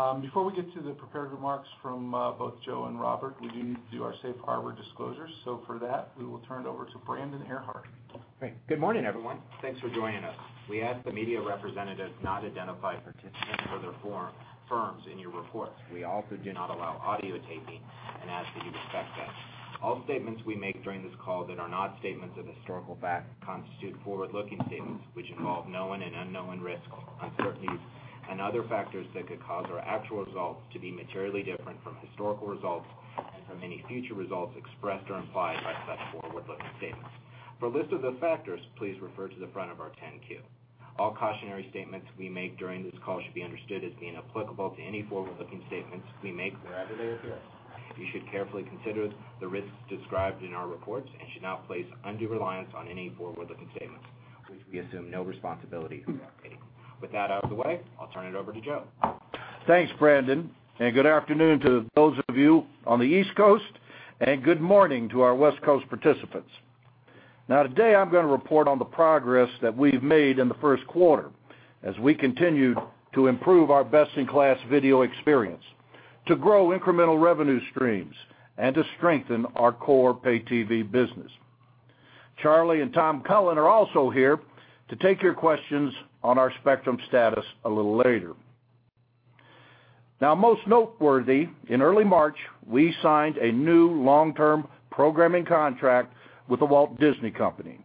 In our controller. Before we get to the prepared remarks from both Joe and Robert, we do need to do our safe harbor disclosures. For that, we will turn it over to Brandon Ehrhart. Great. Good morning, everyone. Thanks for joining us. We ask the media representatives not identify participants or their firms in your reports. We also do not allow audio taping and ask that you respect that. All statements we make during this call that are not statements of historical fact constitute forward-looking statements which involve known and unknown risks, uncertainties and other factors that could cause our actual results to be materially different from historical results and from any future results expressed or implied by such forward-looking statements. For a list of the factors, please refer to the front of our 10-Q. All cautionary statements we make during this call should be understood as being applicable to any forward-looking statements we make wherever they appear. You should carefully consider the risks described in our reports and should not place undue reliance on any forward-looking statements, which we assume no responsibility for updating. With that out of the way, I'll turn it over to Joe. Thanks, Brandon. Good afternoon to those of you on the East Coast and good morning to our West Coast participants. Today I'm gonna report on the progress that we've made in the first quarter as we continued to improve our best-in-class video experience, to grow incremental revenue streams, and to strengthen our core pay TV business. Charlie and Tom Cullen are also here to take your questions on our spectrum status a little later. Most noteworthy, in early March, we signed a new long-term programming contract with The Walt Disney Company.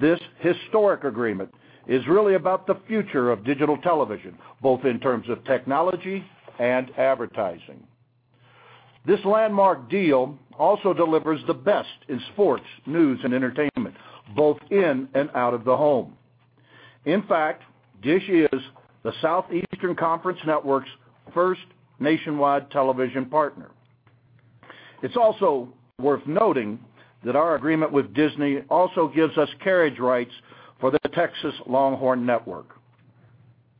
This historic agreement is really about the future of digital television, both in terms of technology and advertising. This landmark deal also delivers the best in sports, news, and entertainment, both in and out of the home. In fact, DISH is the Southeastern Conference Network's first nationwide television partner. It's also worth noting that our agreement with Disney also gives us carriage rights for the Longhorn Network.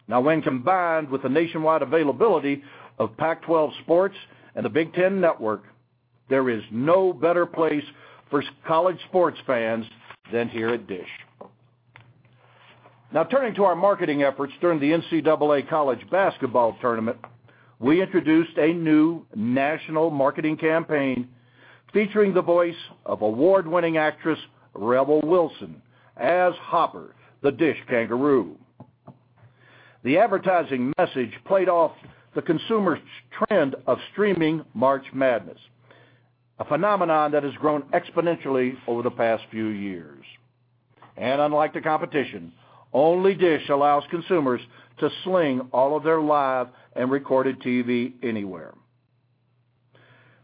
When combined with the nationwide availability of Pac-12 Networks and the Big Ten Network, there is no better place for college sports fans than here at DISH. Turning to our marketing efforts during the NCAA College Basketball Tournament, we introduced a new national marketing campaign featuring the voice of award-winning actress Rebel Wilson as Hopper, the DISH kangaroo. The advertising message played off the consumer's trend of streaming March Madness, a phenomenon that has grown exponentially over the past few years. Unlike the competition, only DISH allows consumers to sling all of their live and recorded TV anywhere.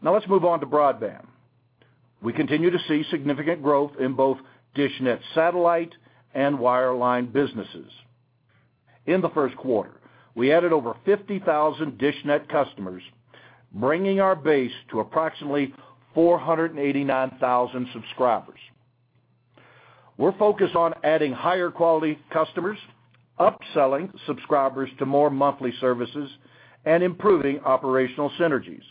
Let's move on to broadband. We continue to see significant growth in both dishNET satellite and wireline businesses. In the first quarter, we added over 50,000 dishNET customers, bringing our base to approximately 489,000 subscribers. We're focused on adding higher quality customers, upselling subscribers to more monthly services, and improving operational synergies.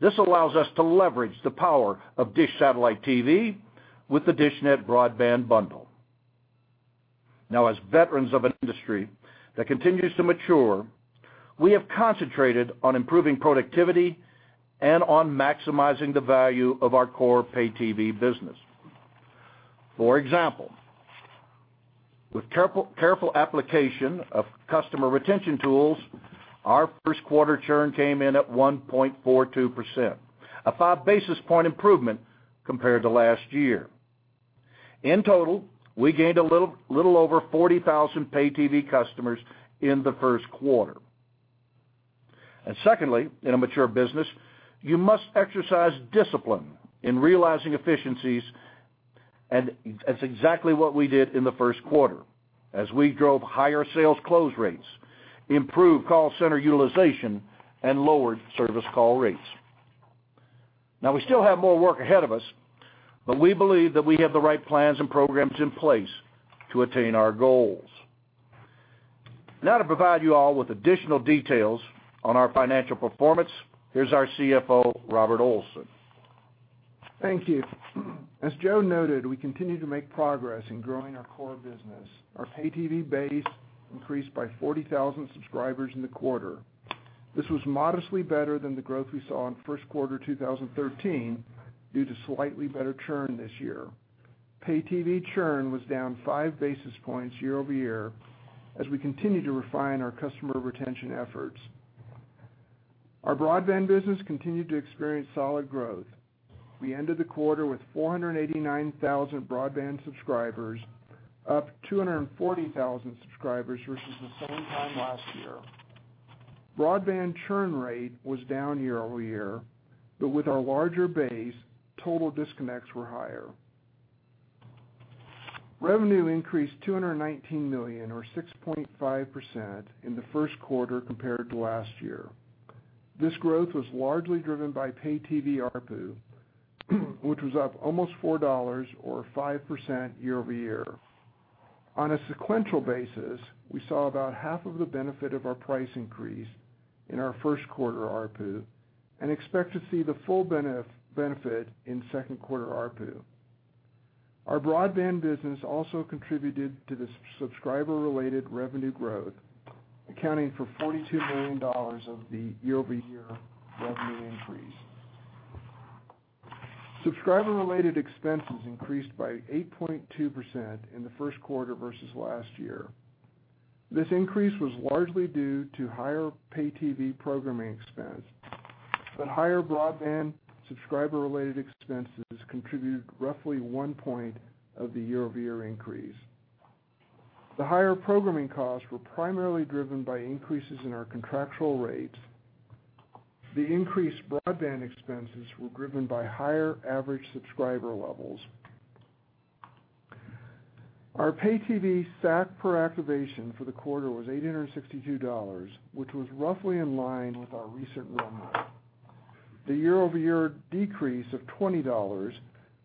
This allows us to leverage the power of DISH satellite TV with the dishNET broadband bundle. Now, as veterans of an industry that continues to mature, we have concentrated on improving productivity and on maximizing the value of our core pay TV business. For example, with careful application of customer retention tools, our first quarter churn came in at 1.42%, a five-basis point improvement compared to last year. In total, we gained a little over 40,000 pay TV customers in the first quarter. Secondly, in a mature business, you must exercise discipline in realizing efficiencies, and that's exactly what we did in the first quarter as we drove higher sales close rates, improved call center utilization, and lowered service call rates. We still have more work ahead of us, but we believe that we have the right plans and programs in place to attain our goals. To provide you all with additional details on our financial performance, here's our CFO, Robert Olson. Thank you. As Joe noted, we continue to make progress in growing our core business. Our pay TV base increased by 40,000 subscribers in the quarter. This was modestly better than the growth we saw in first quarter 2013 due to slightly better churn this year. Pay TV churn was down five basis points year-over-year as we continue to refine our customer retention efforts. Our broadband business continued to experience solid growth. We ended the quarter with 489,000 broadband subscribers, up 240,000 subscribers versus the same time last year. Broadband churn rate was down year-over-year, but with our larger base, total disconnects were higher. Revenue increased $219 million or 6.5% in the first quarter compared to last year. This growth was largely driven by Pay TV ARPU, which was up almost $4 or 5% year-over-year. On a sequential basis, we saw about half of the benefit of our price increase in our first quarter ARPU and expect to see the full benefit in second quarter ARPU. Our broadband business also contributed to the subscriber-related revenue growth, accounting for $42 million of the year-over-year revenue increase. Subscriber-related expenses increased by 8.2% in the first quarter versus last year. This increase was largely due to higher Pay TV programming expense. Higher broadband subscriber-related expenses contributed roughly one point of the year-over-year increase. The higher programming costs were primarily driven by increases in our contractual rates. The increased broadband expenses were driven by higher average subscriber levels. Our pay TV SAC per activation for the quarter was $862, which was roughly in line with our recent run rate. The year-over-year decrease of $20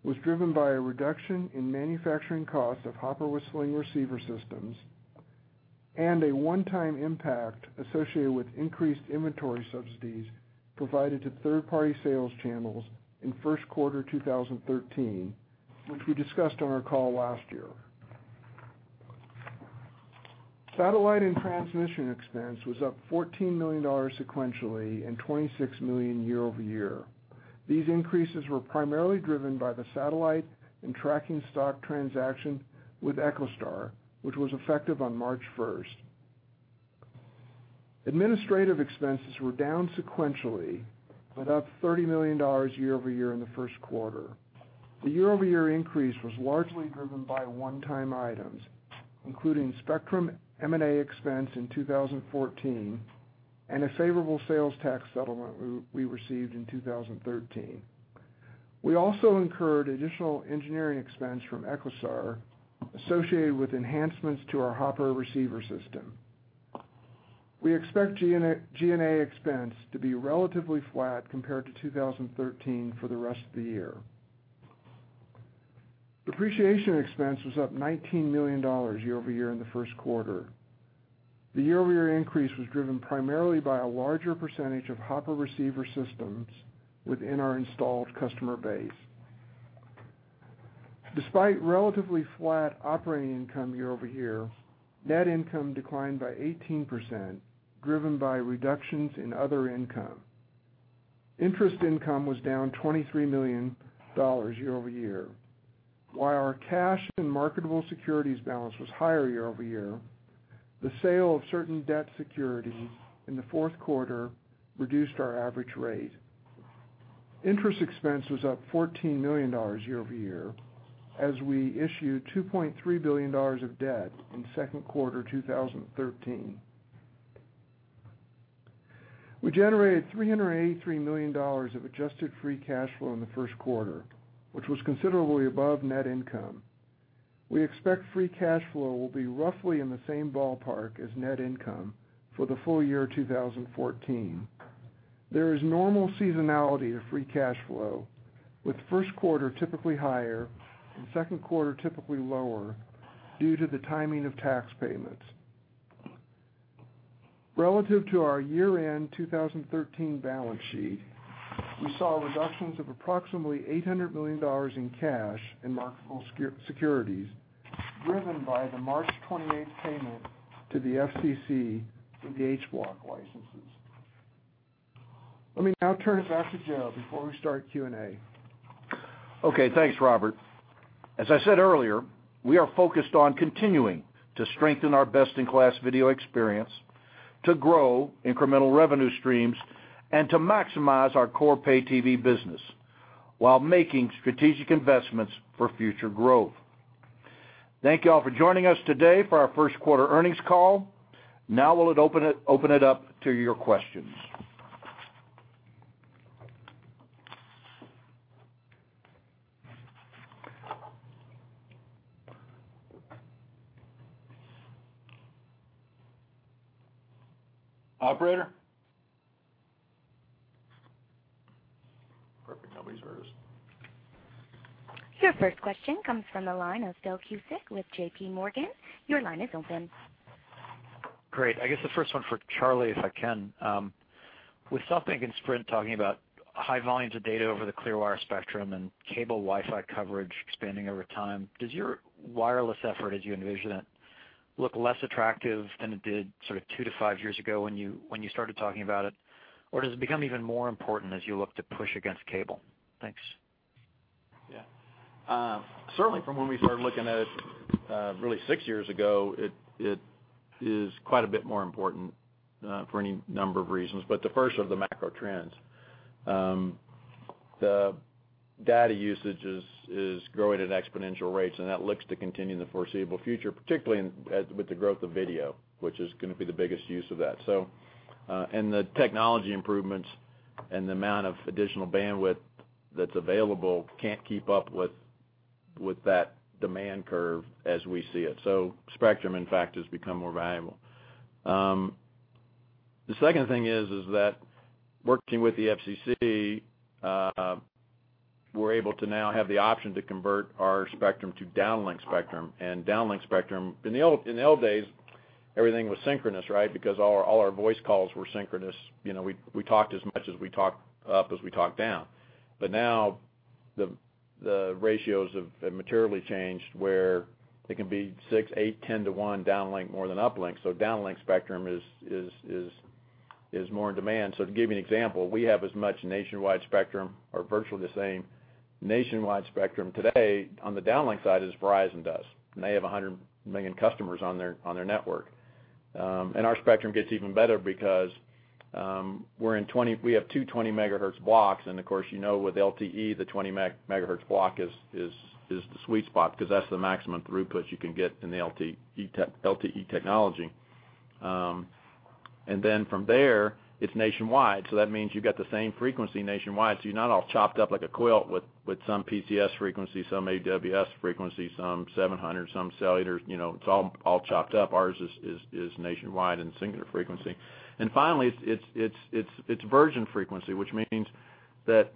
was driven by a reduction in manufacturing costs of Hopper with Sling receiver systems and a one-time impact associated with increased inventory subsidies provided to third-party sales channels in first quarter 2013, which we discussed on our call last year. Satellite and transmission expense was up $14 million sequentially and $26 million year-over-year. These increases were primarily driven by the satellite and tracking stock transaction with EchoStar, which was effective on March 1st. Administrative expenses were down sequentially, but up $30 million year-over-year in the first quarter. The year-over-year increase was largely driven by one-time items, including spectrum M&A expense in 2014 and a favorable sales tax settlement we received in 2013. We also incurred additional engineering expense from EchoStar associated with enhancements to our Hopper receiver system. We expect G&A expense to be relatively flat compared to 2013 for the rest of the year. Depreciation expense was up $19 million year-over-year in the first quarter. The year-over-year increase was driven primarily by a larger percentage of Hopper receiver systems within our installed customer base. Despite relatively flat operating income year-over-year, net income declined by 18%, driven by reductions in other income. Interest income was down $23 million year-over-year. While our cash and marketable securities balance was higher year-over-year, the sale of certain debt securities in the fourth quarter reduced our average rate. Interest expense was up $14 million year-over-year as we issued $2.3 billion of debt in second quarter 2013. We generated $383 million of adjusted free cash flow in the first quarter, which was considerably above net income. We expect free cash flow will be roughly in the same ballpark as net income for the full year 2014. There is normal seasonality to free cash flow, with first quarter typically higher and second quarter typically lower due to the timing of tax payments. Relative to our year-end 2013 balance sheet, we saw reductions of approximately $800 million in cash and marketable securities, driven by the March 28th payment to the FCC for the H Block licenses. Let me now turn it back to Joe before we start Q&A. Okay. Thanks, Robert. As I said earlier, we are focused on continuing to strengthen our best-in-class video experience, to grow incremental revenue streams, and to maximize our core pay TV business while making strategic investments for future growth. Thank you all for joining us today for our first quarter earnings call. Now we'll open it up to your questions. Operator? Perfect. Nobody's heard us. Your first question comes from the line of Phil Cusick with JPMorgan. Your line is open. Great. I guess the first one for Charlie, if I can. With SoftBank and Sprint talking about high volumes of data over the Clearwire spectrum and cable Wi-Fi coverage expanding over time, does your wireless effort, as you envision it, look less attractive than it did sort of two to five years ago when you, when you started talking about it? Or does it become even more important as you look to push against cable? Thanks. Yeah. Certainly from when we started looking at it, really six years ago, it is quite a bit more important for any number of reasons. The first are the macro trends. The data usage is growing at exponential rates, and that looks to continue in the foreseeable future, particularly with the growth of video, which is gonna be the biggest use of that. And the technology improvements and the amount of additional bandwidth that's available can't keep up with that demand curve as we see it. Spectrum, in fact, has become more valuable. The second thing is that working with the FCC, we're able to now have the option to convert our spectrum to downlink spectrum. Downlink spectrum in the old days everything was synchronous, right? All our voice calls were synchronous. You know, we talked as much as we talked up as we talked down. Now, the ratios have materially changed where it can be six, eight, 10 to one downlink more than uplink. Downlink spectrum is more in demand. To give you an example, we have as much nationwide spectrum or virtually the same nationwide spectrum today on the downlink side as Verizon does, and they have 100 million customers on their network. Our spectrum gets even better because we have two 20 MHz blocks, and of course, you know with LTE, the 20 MHz block is the sweet spot because that's the maximum throughput you can get in the LTE technology. From there, it's nationwide, so that means you got the same frequency nationwide, so you're not all chopped up like a quilt with some PCS frequency, some AWS frequency, some 700, some cellular, you know. It's all chopped up. Ours is nationwide and singular frequency. Finally, it's virgin frequency, which means that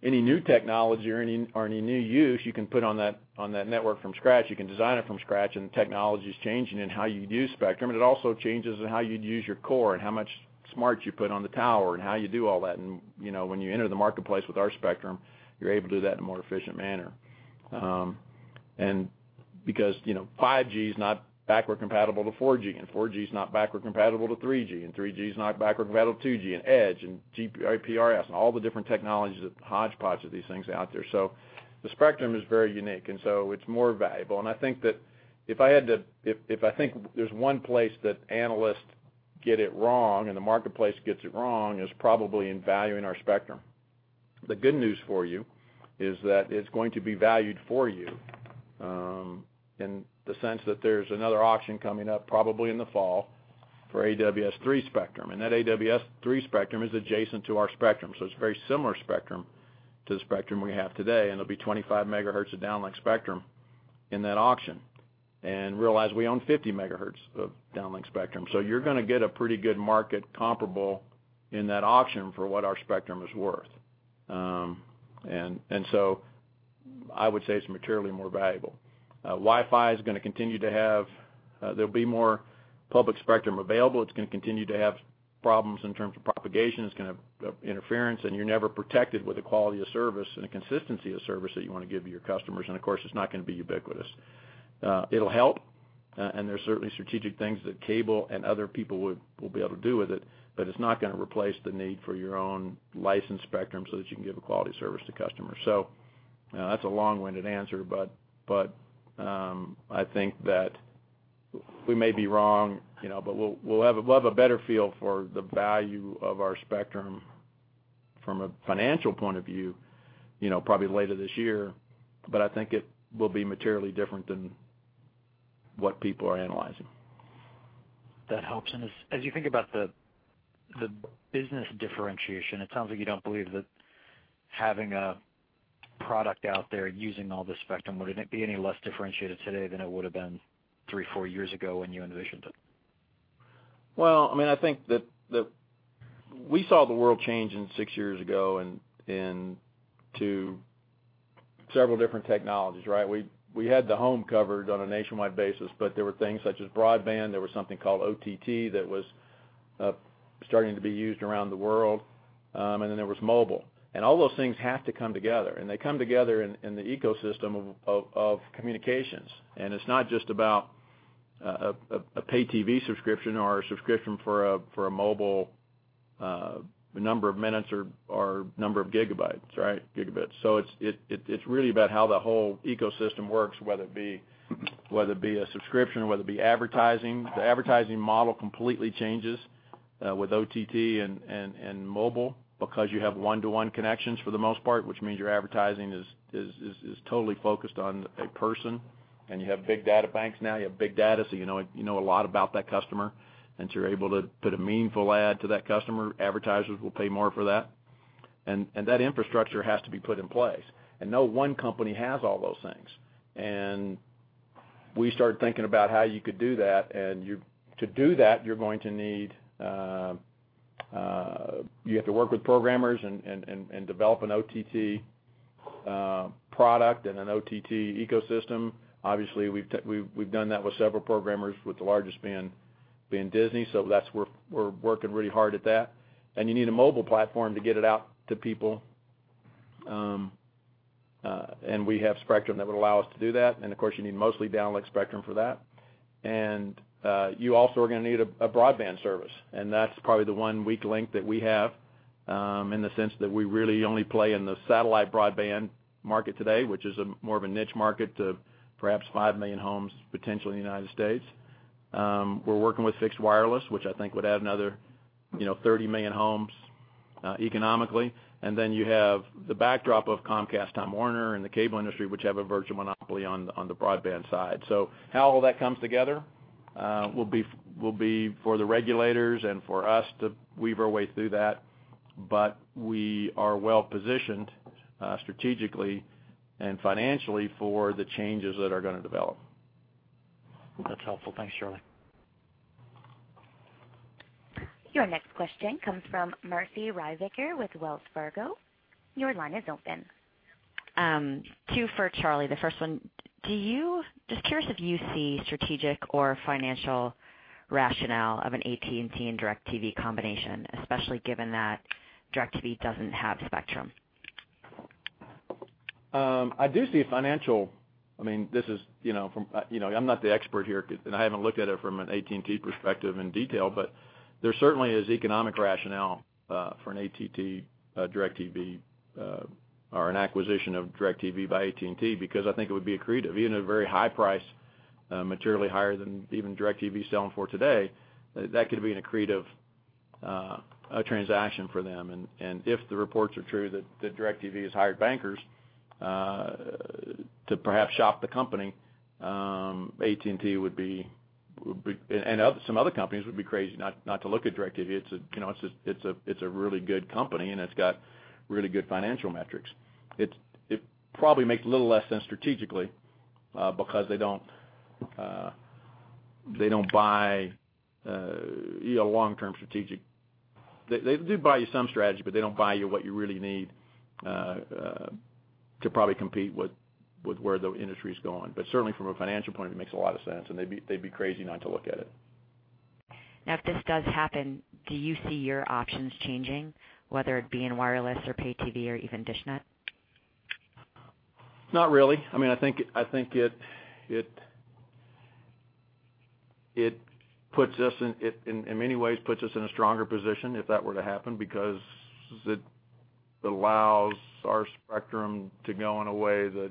any new technology or any new use you can put on that network from scratch, you can design it from scratch, and the technology's changing in how you use spectrum, and it also changes in how you'd use your core and how much smart you put on the tower and how you do all that. You know, when you enter the marketplace with our spectrum, you're able to do that in a more efficient manner. Because, you know, 5G is not backward compatible to 4G, and 4G is not backward compatible to 3G, and 3G is not backward compatible to 2G and EDGE and GPRS and all the different technologies that hodgepodges these things out there. The spectrum is very unique, and so it's more valuable. I think that if I think there's one place that analysts get it wrong and the marketplace gets it wrong is probably in valuing our spectrum. The good news for you is that it's going to be valued for you, in the sense that there's another auction coming up probably in the fall for AWS-3 spectrum, and that AWS-3 spectrum is adjacent to our spectrum, so it's very similar spectrum to the spectrum we have today, and it'll be 25 MHz of downlink spectrum in that auction. Realize we own 50 MHz of downlink spectrum. You're gonna get a pretty good market comparable in that auction for what our spectrum is worth. I would say it's materially more valuable. There'll be more public spectrum available. It's gonna continue to have problems in terms of propagation. It's gonna have interference, and you're never protected with the quality of service and the consistency of service that you wanna give to your customers. Of course, it's not gonna be ubiquitous. It'll help, and there's certainly strategic things that cable and other people will be able to do with it, but it's not gonna replace the need for your own licensed spectrum so that you can give a quality service to customers. That's a long-winded answer, but I think that we may be wrong, you know, but we'll have a better feel for the value of our spectrum from a financial point of view, you know, probably later this year. I think it will be materially different than what people are analyzing. That helps. As you think about the business differentiation, it sounds like you don't believe that having a product out there using all this spectrum, would it be any less differentiated today than it would've been three, four years ago when you envisioned it? Well, I mean, I think that we saw the world change in six years ago and to several different technologies, right? We had the home covered on a nationwide basis, but there were things such as broadband, there was something called OTT that was starting to be used around the world, then there was mobile. All those things have to come together, and they come together in the ecosystem of communications. It's not just about a pay TV subscription or a subscription for a mobile number of minutes or number of gigabytes, right? Gigabits. It's really about how the whole ecosystem works, whether it be a subscription or whether it be advertising. The advertising model completely changes with OTT and mobile because you have one-to-one connections for the most part, which means your advertising is totally focused on a person. You have big data banks now. You have big data, you know a lot about that customer, you're able to put a meaningful ad to that customer. Advertisers will pay more for that. That infrastructure has to be put in place, no one company has all those things. We started thinking about how you could do that, to do that, you're going to need, you have to work with programmers and develop an OTT product and an OTT ecosystem. Obviously, we've done that with several programmers, with the largest being Disney, so that's where we're working really hard at that. You need a mobile platform to get it out to people, and we have spectrum that would allow us to do that. Of course, you need mostly downlink spectrum for that. You also are gonna need a broadband service, and that's probably the one weak link that we have, in the sense that we really only play in the satellite broadband market today, which is a more of a niche market to perhaps five million homes, potentially in the United States. We're working with fixed wireless, which I think would add another, you know, 30 million homes economically. Then you have the backdrop of Comcast/Time Warner and the cable industry, which have a virtual monopoly on the broadband side. How all that comes together, will be for the regulators and for us to weave our way through that. We are well positioned, strategically and financially for the changes that are gonna develop. That's helpful. Thanks, Charlie. Your next question comes from Marci Ryvicker with Wells Fargo. Your line is open. Two for Charlie. The first one, just curious if you see strategic or financial rationale of an AT&T and DIRECTV combination, especially given that DIRECTV doesn't have Spectrum? I do see a financial I mean, this is, you know, from, you know, I'm not the expert here, and I haven't looked at it from an AT&T perspective in detail, but there certainly is economic rationale for an AT&T DIRECTV, or an acquisition of DIRECTV by AT&T because I think it would be accretive, even at a very high price, materially higher than even DIRECTV is selling for today. That could be an accretive a transaction for them. If the reports are true that DIRECTV has hired bankers to perhaps shop the company, AT&T would be and some other companies would be crazy not to look at DIRECTV. It's a, you know, it's just, it's a really good company, it's got really good financial metrics. It probably makes a little less sense strategically, because they don't, they don't buy, you know, long-term strategic. They do buy you some strategy, but they don't buy you what you really need, to probably compete with where the industry is going. Certainly, from a financial point of view, it makes a lot of sense, and they'd be crazy not to look at it. If this does happen, do you see your options changing, whether it be in wireless or pay TV or even dishNET? Not really. I mean, I think it puts us in many ways in a stronger position if that were to happen because it allows our spectrum to go in a way that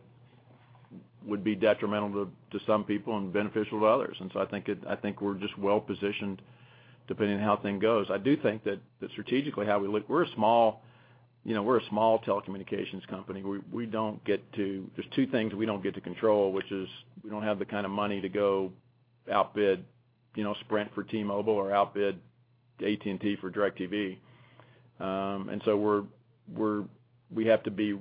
would be detrimental to some people and beneficial to others. I think we're just well-positioned depending on how the thing goes. I do think that strategically how we look, we're a small, you know, we're a small telecommunications company. There's two things we don't get to control, which is we don't have the kind of money to go outbid, you know, Sprint for T-Mobile or outbid AT&T for DIRECTV. So we have to be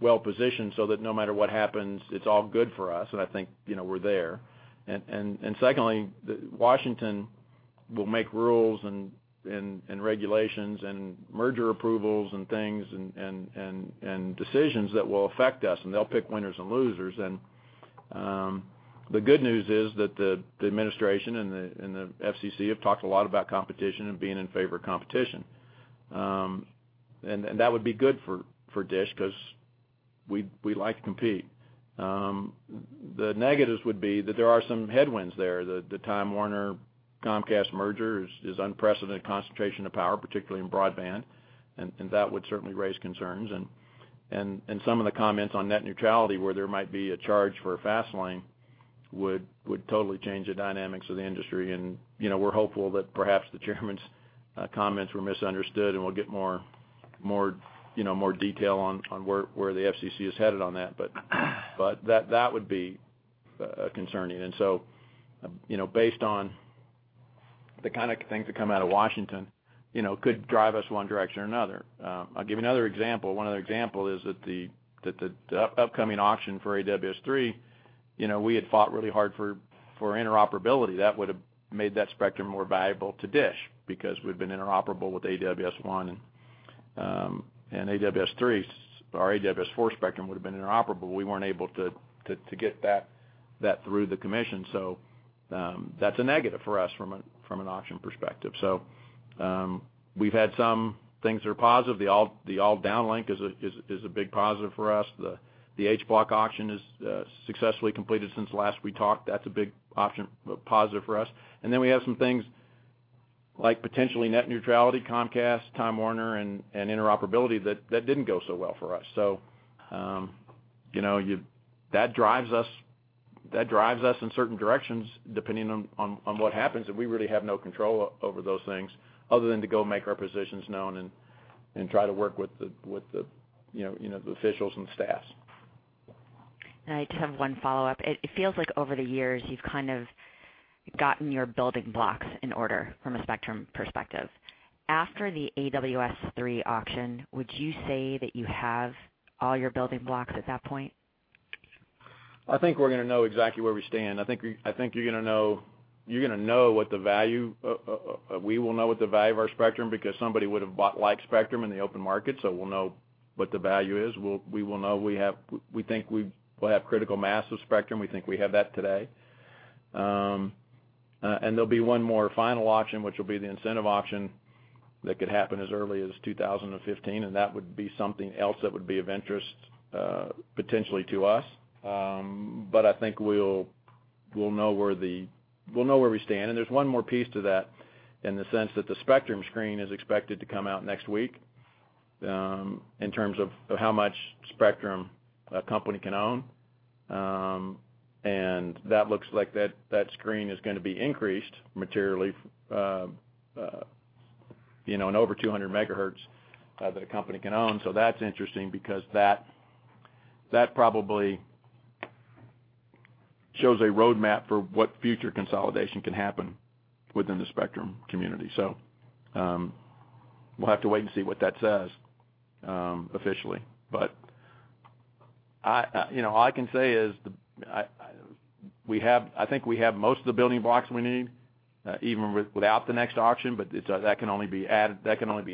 well-positioned so that no matter what happens, it's all good for us, and I think, you know, we're there. Secondly, Washington will make rules and regulations and merger approvals and things and decisions that will affect us, and they'll pick winners and losers. The good news is that the administration and the FCC have talked a lot about competition and being in favor of competition. That would be good for DISH 'cause we like to compete. The negatives would be that there are some headwinds there. The Time Warner Cable-Comcast merger is unprecedented concentration of power, particularly in broadband, and that would certainly raise concerns. Some of the comments on net neutrality, where there might be a charge for a fast lane would totally change the dynamics of the industry. You know, we're hopeful that perhaps the chairman's comments were misunderstood, and we'll get more, you know, more detail on where the FCC is headed on that. That would be concerning. You know, based on the kinda things that come out of Washington, you know, could drive us one direction or another. I'll give you another example. One other example is that the upcoming auction for AWS-3, you know, we had fought really hard for interoperability. That would've made that spectrum more valuable to DISH because we've been interoperable with AWS-1 and AWS-3 or AWS-4 spectrum would've been interoperable. We weren't able to get that through the Commission. That's a negative for us from an auction perspective. We've had some things that are positive. The all downlink is a big positive for us. The H Block auction is successfully completed since last we talked. That's a big auction positive for us. Then we have some things like potentially net neutrality, Comcast, Time Warner, and interoperability that didn't go so well for us. You know, that drives us in certain directions depending on what happens, and we really have no control over those things other than to go make our positions known and try to work with the officials and the staffs. I just have one follow-up. It feels like over the years, you've kind of gotten your building blocks in order from a spectrum perspective. After the AWS-3 auction, would you say that you have all your building blocks at that point? I think we're gonna know exactly where we stand. We will know what the value of our spectrum because somebody would've bought like spectrum in the open market, so we'll know what the value is. We will know. We think we will have critical mass of spectrum. We think we have that today. And there'll be one more final auction, which will be the incentive auction that could happen as early as 2015, and that would be something else that would be of interest, potentially to us. But I think we'll know where we stand. There's one more piece to that in the sense that the spectrum screen is expected to come out next week, in terms of how much spectrum a company can own. That looks like that screen is going to be increased materially, you know, in over 200 MHz that a company can own. That's interesting because that probably shows a roadmap for what future consolidation can happen within the spectrum community. We'll have to wait and see what that says officially. I, you know, all I can say is I think we have most of the building blocks we need, even without the next auction, it's that can only be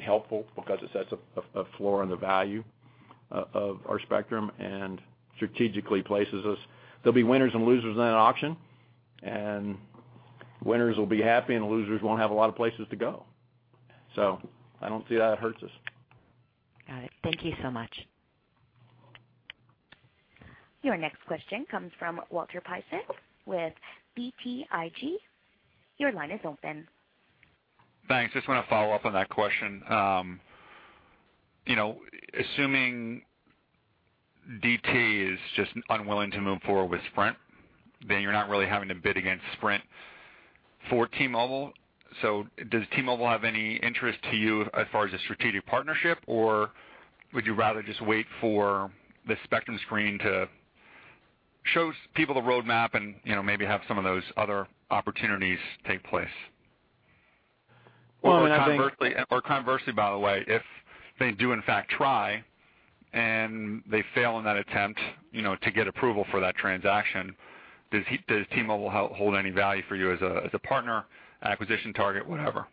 helpful because it sets a floor on the value of our spectrum and strategically places us. There'll be winners and losers in that auction, and winners will be happy, and the losers won't have a lot of places to go. I don't see how it hurts us. Got it. Thank you so much. Your next question comes from Walter Piecyk with BTIG. Your line is open. Thanks. Just want to follow up on that question. You know, assuming DT is just unwilling to move forward with Sprint, then you're not really having to bid against Sprint for T-Mobile. Does T-Mobile have any interest to you as far as a strategic partnership, or would you rather just wait for the spectrum screen to show people the roadmap and, you know, maybe have some of those other opportunities take place? Well. Conversely, by the way, if they do in fact try and they fail in that attempt, you know, to get approval for that transaction, does T-Mobile hold any value for you as a, as a partner, acquisition target, whatever?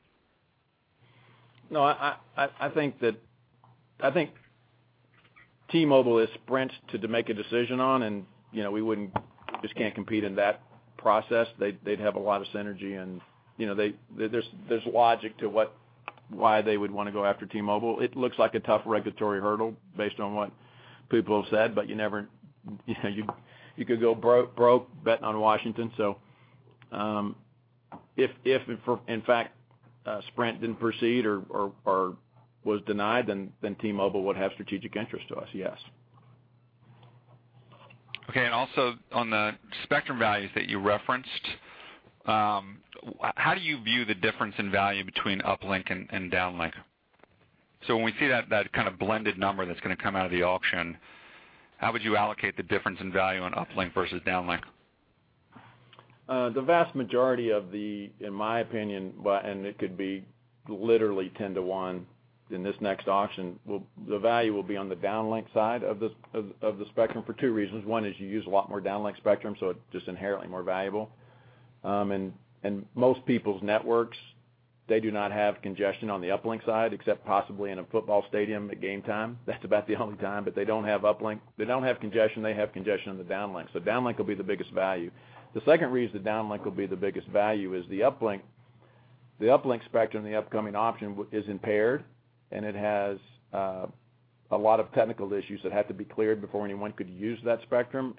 No, I think T-Mobile is Sprint's to make a decision on. You know, we just can't compete in that process. They'd have a lot of synergy. You know, there's logic to why they would wanna go after T-Mobile. It looks like a tough regulatory hurdle based on what people have said, but you never, you know, you could go broke betting on Washington. If in fact, Sprint didn't proceed or was denied, then T-Mobile would have strategic interest to us, yes. Okay. Also on the spectrum values that you referenced, how do you view the difference in value between uplink and downlink? When we see that kind of blended number that's gonna come out of the auction, how would you allocate the difference in value on uplink versus downlink? The vast majority of the, in my opinion, and it could be literally 10 to one in this next auction, the value will be on the downlink side of the spectrum for two reasons. One is you use a lot more downlink spectrum, so it's just inherently more valuable. And most people's networks, they do not have congestion on the uplink side, except possibly in a football stadium at game time. That's about the only time. They don't have uplink. They don't have congestion. They have congestion on the downlink. Downlink will be the biggest value. The second reason the downlink will be the biggest value is the uplink spectrum in the upcoming auction is impaired, and it has a lot of technical issues that have to be cleared before anyone could use that spectrum.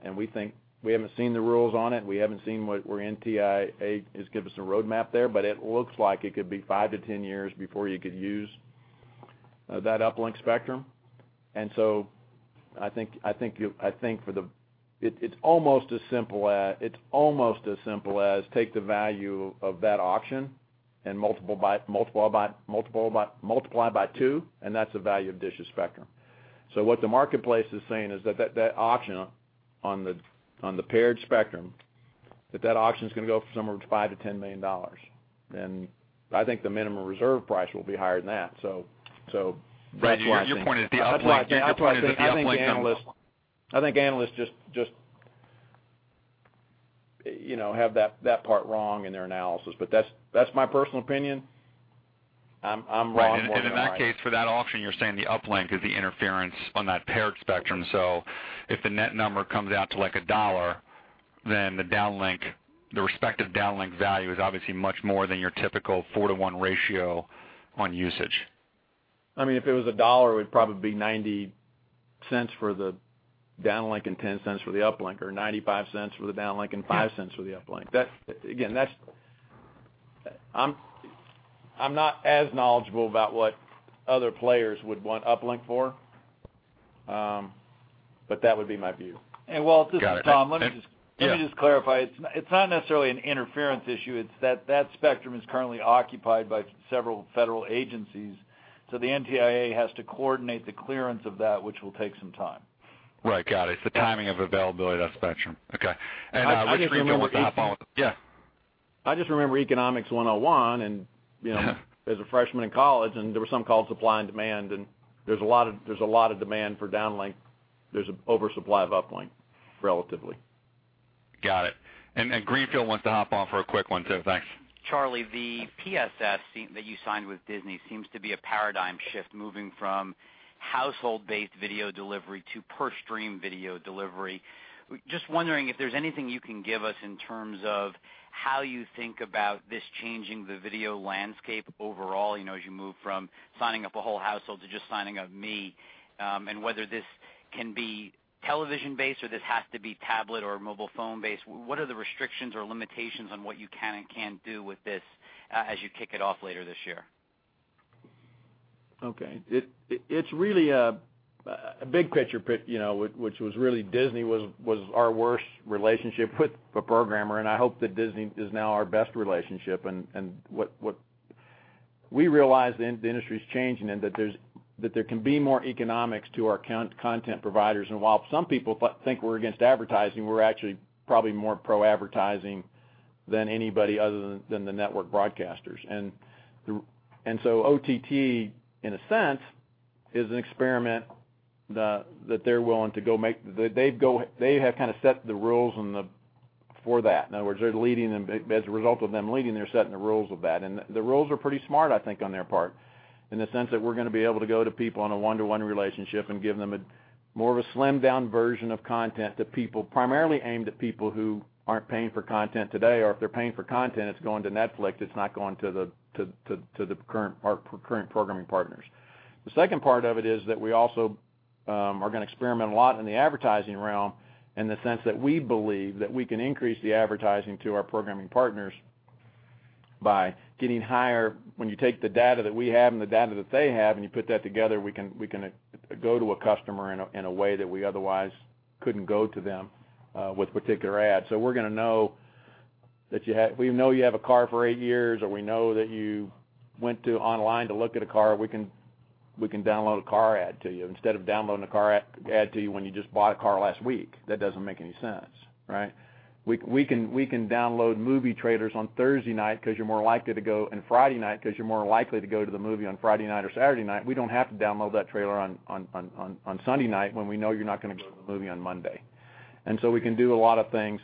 We haven't seen the rules on it, we haven't seen where NTIA has given us a roadmap there, but it looks like it could be five to 10 years before you could use that uplink spectrum. I think for the it's almost as simple as take the value of that auction and multiply by two, and that's the value of DISH's spectrum. What the marketplace is saying is that auction on the paired spectrum, that auction's gonna go for somewhere between $5 million-$10 million. I think the minimum reserve price will be higher than that. That's why I think. Right. Your point is the uplink- That's why I think analysts. Your point is that the uplink. I think analysts just, you know, have that part wrong in their analysis. That's my personal opinion. I'm wrong more than I'm right. Right. In that case for that auction, you're saying the uplink is the interference on that paired spectrum. If the net number comes out to like $1, the downlink, the respective downlink value is obviously much more than your typical 4:1 ratio on usage. I mean, if it was $1, it would probably be $0.90 for the downlink and $0.10 for the uplink, or $0.95 for the downlink and $0.05 for the uplink. Again, I'm not as knowledgeable about what other players would want uplink for. That would be my view. Got it. Walt, this is Tom. Yeah. Let me just clarify. It's not necessarily an interference issue. It's that that spectrum is currently occupied by several federal agencies. The NTIA has to coordinate the clearance of that, which will take some time. Right. Got it. Yeah. It's the timing of availability of that spectrum. Okay. Greenfield wants to hop on. I just remember. Yes. I just remember Economics 101, and, you know, as a freshman in college, and there was something called supply and demand, and there's a lot of demand for downlink. There's an oversupply of uplink, relatively. Got it. Greenfield wants to hop on for a quick one too. Thanks. Charlie, the PSS that you signed with Disney seems to be a paradigm shift, moving from household-based video delivery to per stream video delivery. Just wondering if there's anything you can give us in terms of how you think about this changing the video landscape overall, you know, as you move from signing up a whole household to just signing up me, and whether this can be television-based or this has to be tablet or mobile phone-based. What are the restrictions or limitations on what you can and can't do with this, as you kick it off later this year? Okay. It's really a big picture, you know, which was really Disney was our worst relationship with a programmer. I hope that Disney is now our best relationship. We realize the industry is changing and that there can be more economics to our content providers. While some people think we're against advertising, we're actually probably more pro-advertising than anybody other than the network broadcasters. OTT, in a sense, is an experiment that they're willing to go make. They have kind of set the rules and for that. In other words, they're leading them. As a result of them leading, they're setting the rules of that. The rules are pretty smart, I think, on their part, in the sense that we're going to be able to go to people on a one-to-one relationship and give them a more of a slimmed down version of content to people, primarily aimed at people who aren't paying for content today or if they're paying for content, it's going to Netflix, it's not going to the current programming partners. The second part of it is that we also are gonna experiment a lot in the advertising realm, in the sense that we believe that we can increase the advertising to our programming partners by getting higher. When you take the data that we have and the data that they have, and you put that together, we can go to a customer in a way that we otherwise couldn't go to them with particular ads. We're gonna know that we know you have a car for eight years, or we know that you went to online to look at a car, we can download a car ad to you instead of downloading a car ad to you when you just bought a car last week. That doesn't make any sense, right? We can download movie trailers on Thursday night because you're more likely to go, and Friday night because you're more likely to go to the movie on Friday night or Saturday night. We don't have to download that trailer on Sunday night when we know you're not gonna go to the movie on Monday. We can do a lot of things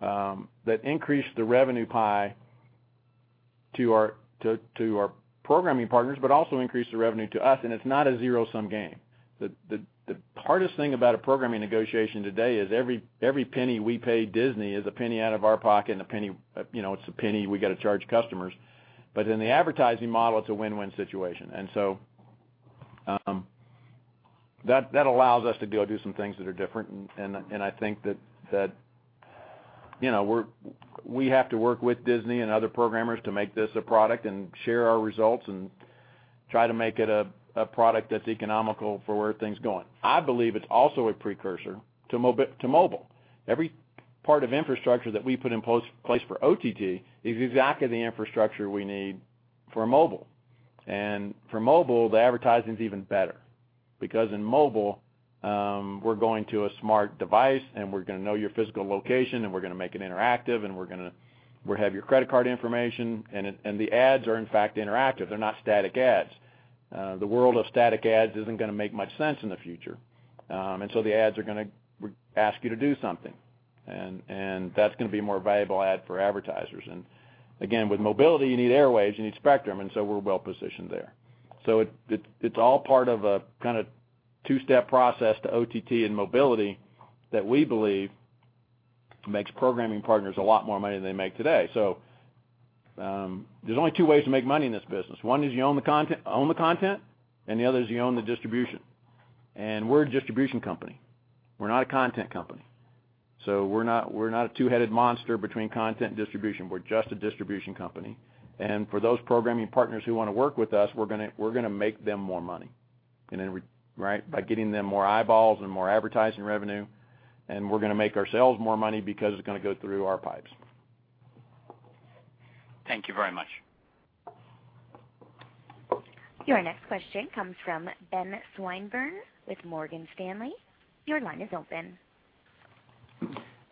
that increase the revenue pie to our programming partners, but also increase the revenue to us, and it's not a zero-sum game. The hardest thing about a programming negotiation today is every penny we pay Disney is a penny out of our pocket and a penny, you know, it's a penny we gotta charge customers. In the advertising model, it's a win-win situation. That allows us to go do some things that are different. I think that, you know, We have to work with Disney and other programmers to make this a product and share our results and try to make it a product that's economical for where everything's going. I believe it's also a precursor to mobile. Every part of infrastructure that we put in place for OTT is exactly the infrastructure we need for mobile. For mobile, the advertising's even better because in mobile, we're going to a smart device, and we're gonna know your physical location, and we're gonna make it interactive, and we're gonna We have your credit card information, and the ads are, in fact, interactive. They're not static ads. The world of static ads isn't gonna make much sense in the future. The ads are gonna ask you to do something. That's gonna be a more valuable ad for advertisers. Again, with mobility, you need airwaves, you need spectrum, we're well positioned there. It's all part of a kinda two-step process to OTT and mobility that we believe makes programming partners a lot more money than they make today. There's only two ways to make money in this business. One is you own the content, and the other is you own the distribution. We're a distribution company. We're not a content company. We're not a two-headed monster between content and distribution. We're just a distribution company. For those programming partners who wanna work with us, we're gonna make them more money by getting them more eyeballs and more advertising revenue, and we're gonna make ourselves more money because it's gonna go through our pipes. Thank you very much. Your next question comes from Ben Swinburne with Morgan Stanley. Your line is open.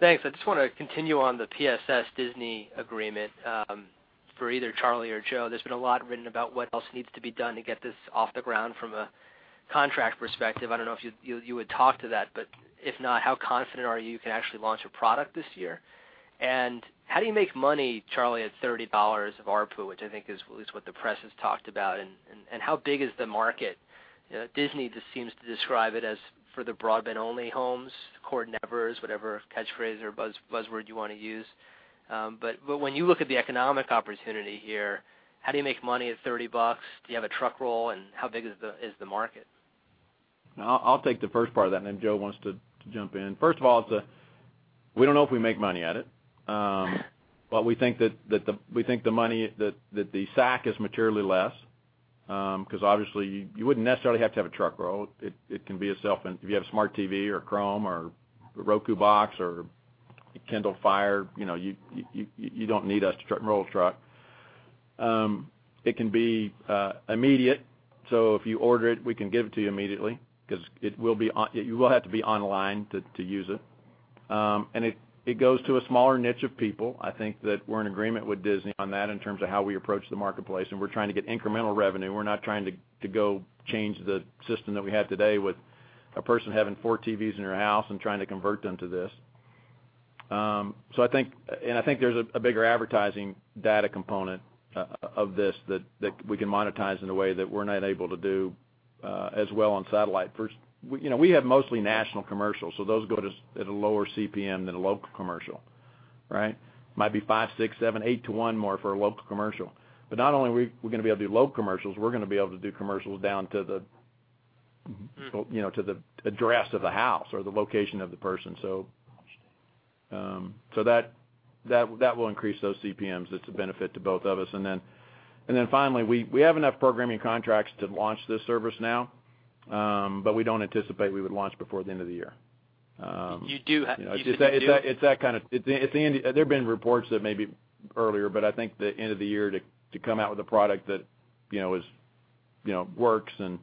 Thanks. I just wanna continue on the PSS Disney agreement, for either Charlie or Joe. There's been a lot written about what else needs to be done to get this off the ground from a contract perspective. I don't know if you would talk to that. If not, how confident are you you can actually launch a product this year? How do you make money, Charlie, at $30 of ARPU, which I think is what the press has talked about, and how big is the market? Disney just seems to describe it as for the broadband-only homes, cord nevers, whatever catchphrase or buzzword you wanna use. When you look at the economic opportunity here, how do you make money at $30 bucks? Do you have a truck roll, and how big is the market? No, I'll take the first part of that, then if Joe wants to jump in. First of all, we don't know if we make money at it. We think the money, the SAC is materially less, 'cause obviously, you wouldn't necessarily have to have a truck roll. It can be a self If you have a smart TV or Chromecast or a Roku box or a Kindle Fire, you know, you don't need us to truck and roll a truck. It can be immediate, if you order it, we can give it to you immediately 'cause you will have to be online to use it. It goes to a smaller niche of people. I think that we're in agreement with Disney on that in terms of how we approach the marketplace, and we're trying to get incremental revenue. We're not trying to go change the system that we have today with a person having four TVs in their house and trying to convert them to this. I think there's a bigger advertising data component of this that we can monetize in a way that we're not able to do as well on satellite. First, you know, we have mostly national commercials, so those go at a lower CPM than a local commercial, right? Might be five, six, seven, eight to one more for a local commercial. Not only are we gonna be able to do local commercials, we're gonna be able to do commercials down to the, you know, to the address of the house or the location of the person. That will increase those CPMs. It's a benefit to both of us. Finally, we have enough programming contracts to launch this service now, but we don't anticipate we would launch before the end of the year. You think you do? It's that kind of. It's the end. There've been reports that maybe earlier, but I think the end of the year to come out with a product that, you know, is, you know, works. You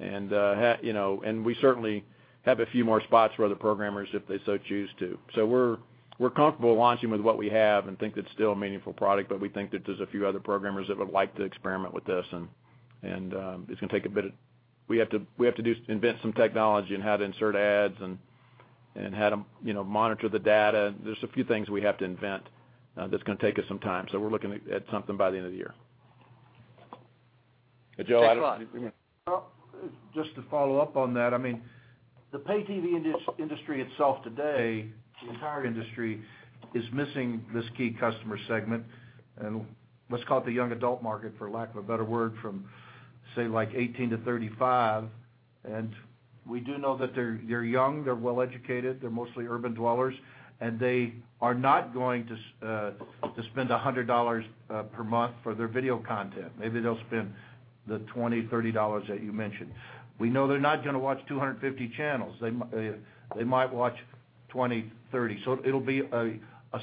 know, we certainly have a few more spots for other programmers if they so choose to. We're comfortable launching with what we have and think it's still a meaningful product, but we think that there's a few other programmers that would like to experiment with this and, it's gonna take a bit of. We have to invent some technology on how to insert ads and how to, you know, monitor the data. There're a few things we have to invent, that's gonna take us some time, so we're looking at something by the end of the year. Joe. [David Barton]. Yeah. Well, just to follow up on that, I mean, the pay TV industry itself today, the entire industry, is missing this key customer segment, let's call it the young adult market, for lack of a better word, from, say, like 18 to 35. We do know that they're young, they're well-educated, they're mostly urban dwellers, and they are not going to spend $100 per month for their video content. Maybe they'll spend the $20, $30 that you mentioned. We know they're not gonna watch 250 channels. They might watch 20, 30. It'll be a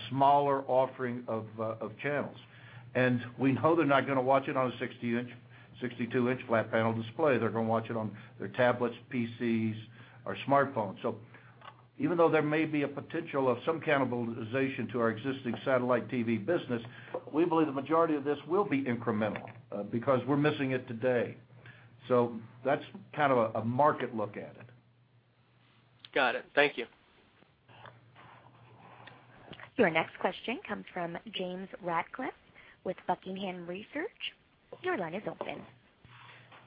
smaller offering of channels. We know they're not gonna watch it on a 60 in, 62 in flat panel display. They're gonna watch it on their tablets, PCs or smartphones. Even though there may be a potential of some cannibalization to our existing satellite TV business, we believe the majority of this will be incremental because we're missing it today. That's kind of a market look at it. Got it. Thank you. Your next question comes from James Ratcliffe with Buckingham Research. Your line is open.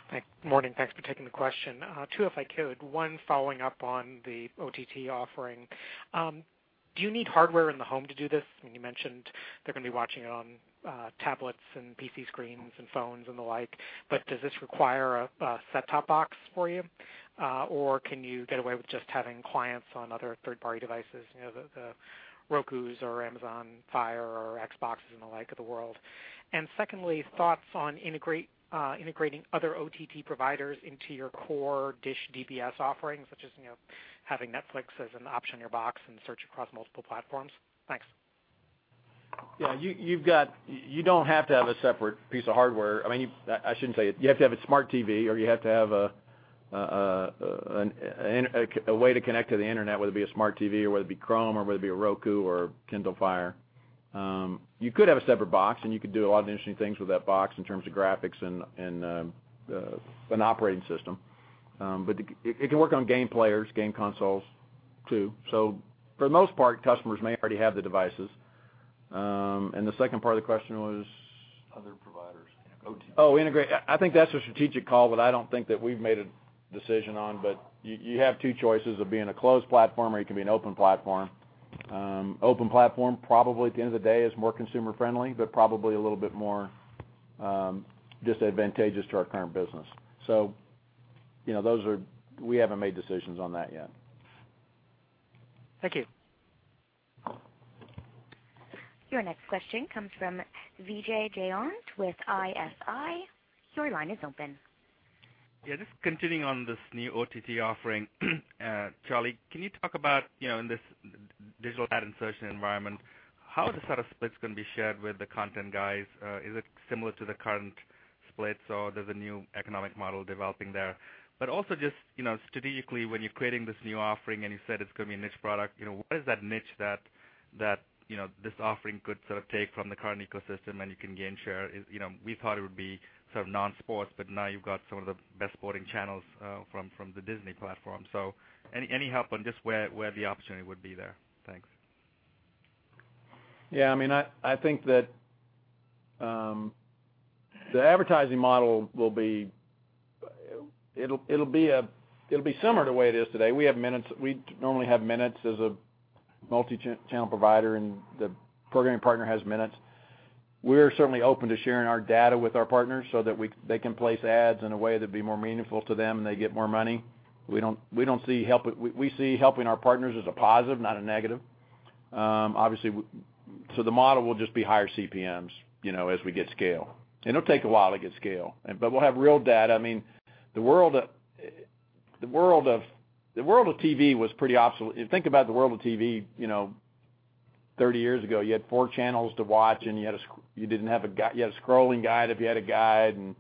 Hi. Morning. Thanks for taking the question. Two if I could. One following up on the OTT offering. Do you need hardware in the home to do this? I mean, you mentioned they're gonna be watching it on tablets and PC screens and phones and the like, but does this require a set-top box for you, or can you get away with just having clients on other third-party devices, you know, the Rokus or Amazon Fire or Xboxes and the like of the world. Secondly, thoughts on integrating other OTT providers into your core DISH DBS offerings, such as, you know, having Netflix as an option on your box and search across multiple platforms? Yeah, you don't have to have a separate piece of hardware. I mean, I shouldn't say it. You have to have a smart TV, or you have to have a way to connect to the Internet, whether it be a smart TV or whether it be Chrome or whether it be a Roku or Kindle Fire. You could have a separate box; you could do a lot of interesting things with that box in terms of graphics and an operating system. It can work on game players, game consoles too. For the most part, customers may already have the devices. The second part of the question was? Other providers. OTT. Integrate. I think that's a strategic call, but I don't think that we've made a decision on. You have two choices of being a closed platform or you can be an open platform. Open platform probably at the end of the day is more consumer friendly, but probably a little bit more disadvantageous to our current business. You know, those are. We haven't made decisions on that yet. Thank you. Your next question comes from Vijay Jayant with ISI. Your line is open. Yeah, just continuing on this new OTT offering. Charlie, can you talk about, you know, in this digital ad insertion environment, how are the sort of splits gonna be shared with the content guys? Is it similar to the current splits or there's a new economic model developing there? Also just, you know, strategically, when you're creating this new offering and you said it's gonna be a niche product, you know, what is that niche that, you know, this offering could sort of take from the current ecosystem and you can gain share? Is, you know, we thought it would be sort of non-sports, but now you've got some of the best sporting channels, from the Disney platform. Any help on just where the opportunity would be there? Thanks. Yeah, I mean, I think that the advertising model will be similar to the way it is today. We have minutes. We normally have minutes as a multi-channel provider and the programming partner has minutes. We're certainly open to sharing our data with our partners so that they can place ads in a way that'd be more meaningful to them and they get more money. We don't see helping our partners as a positive, not a negative. Obviously, the model will just be higher CPMs, you know, as we get scale. It'll take a while to get scale, we'll have real data. I mean, the world of TV was pretty obsolete. Think about the world of TV, you know, 30 years ago. You had four channels to watch, you didn't have a guide. You had a scrolling guide if you had a guide and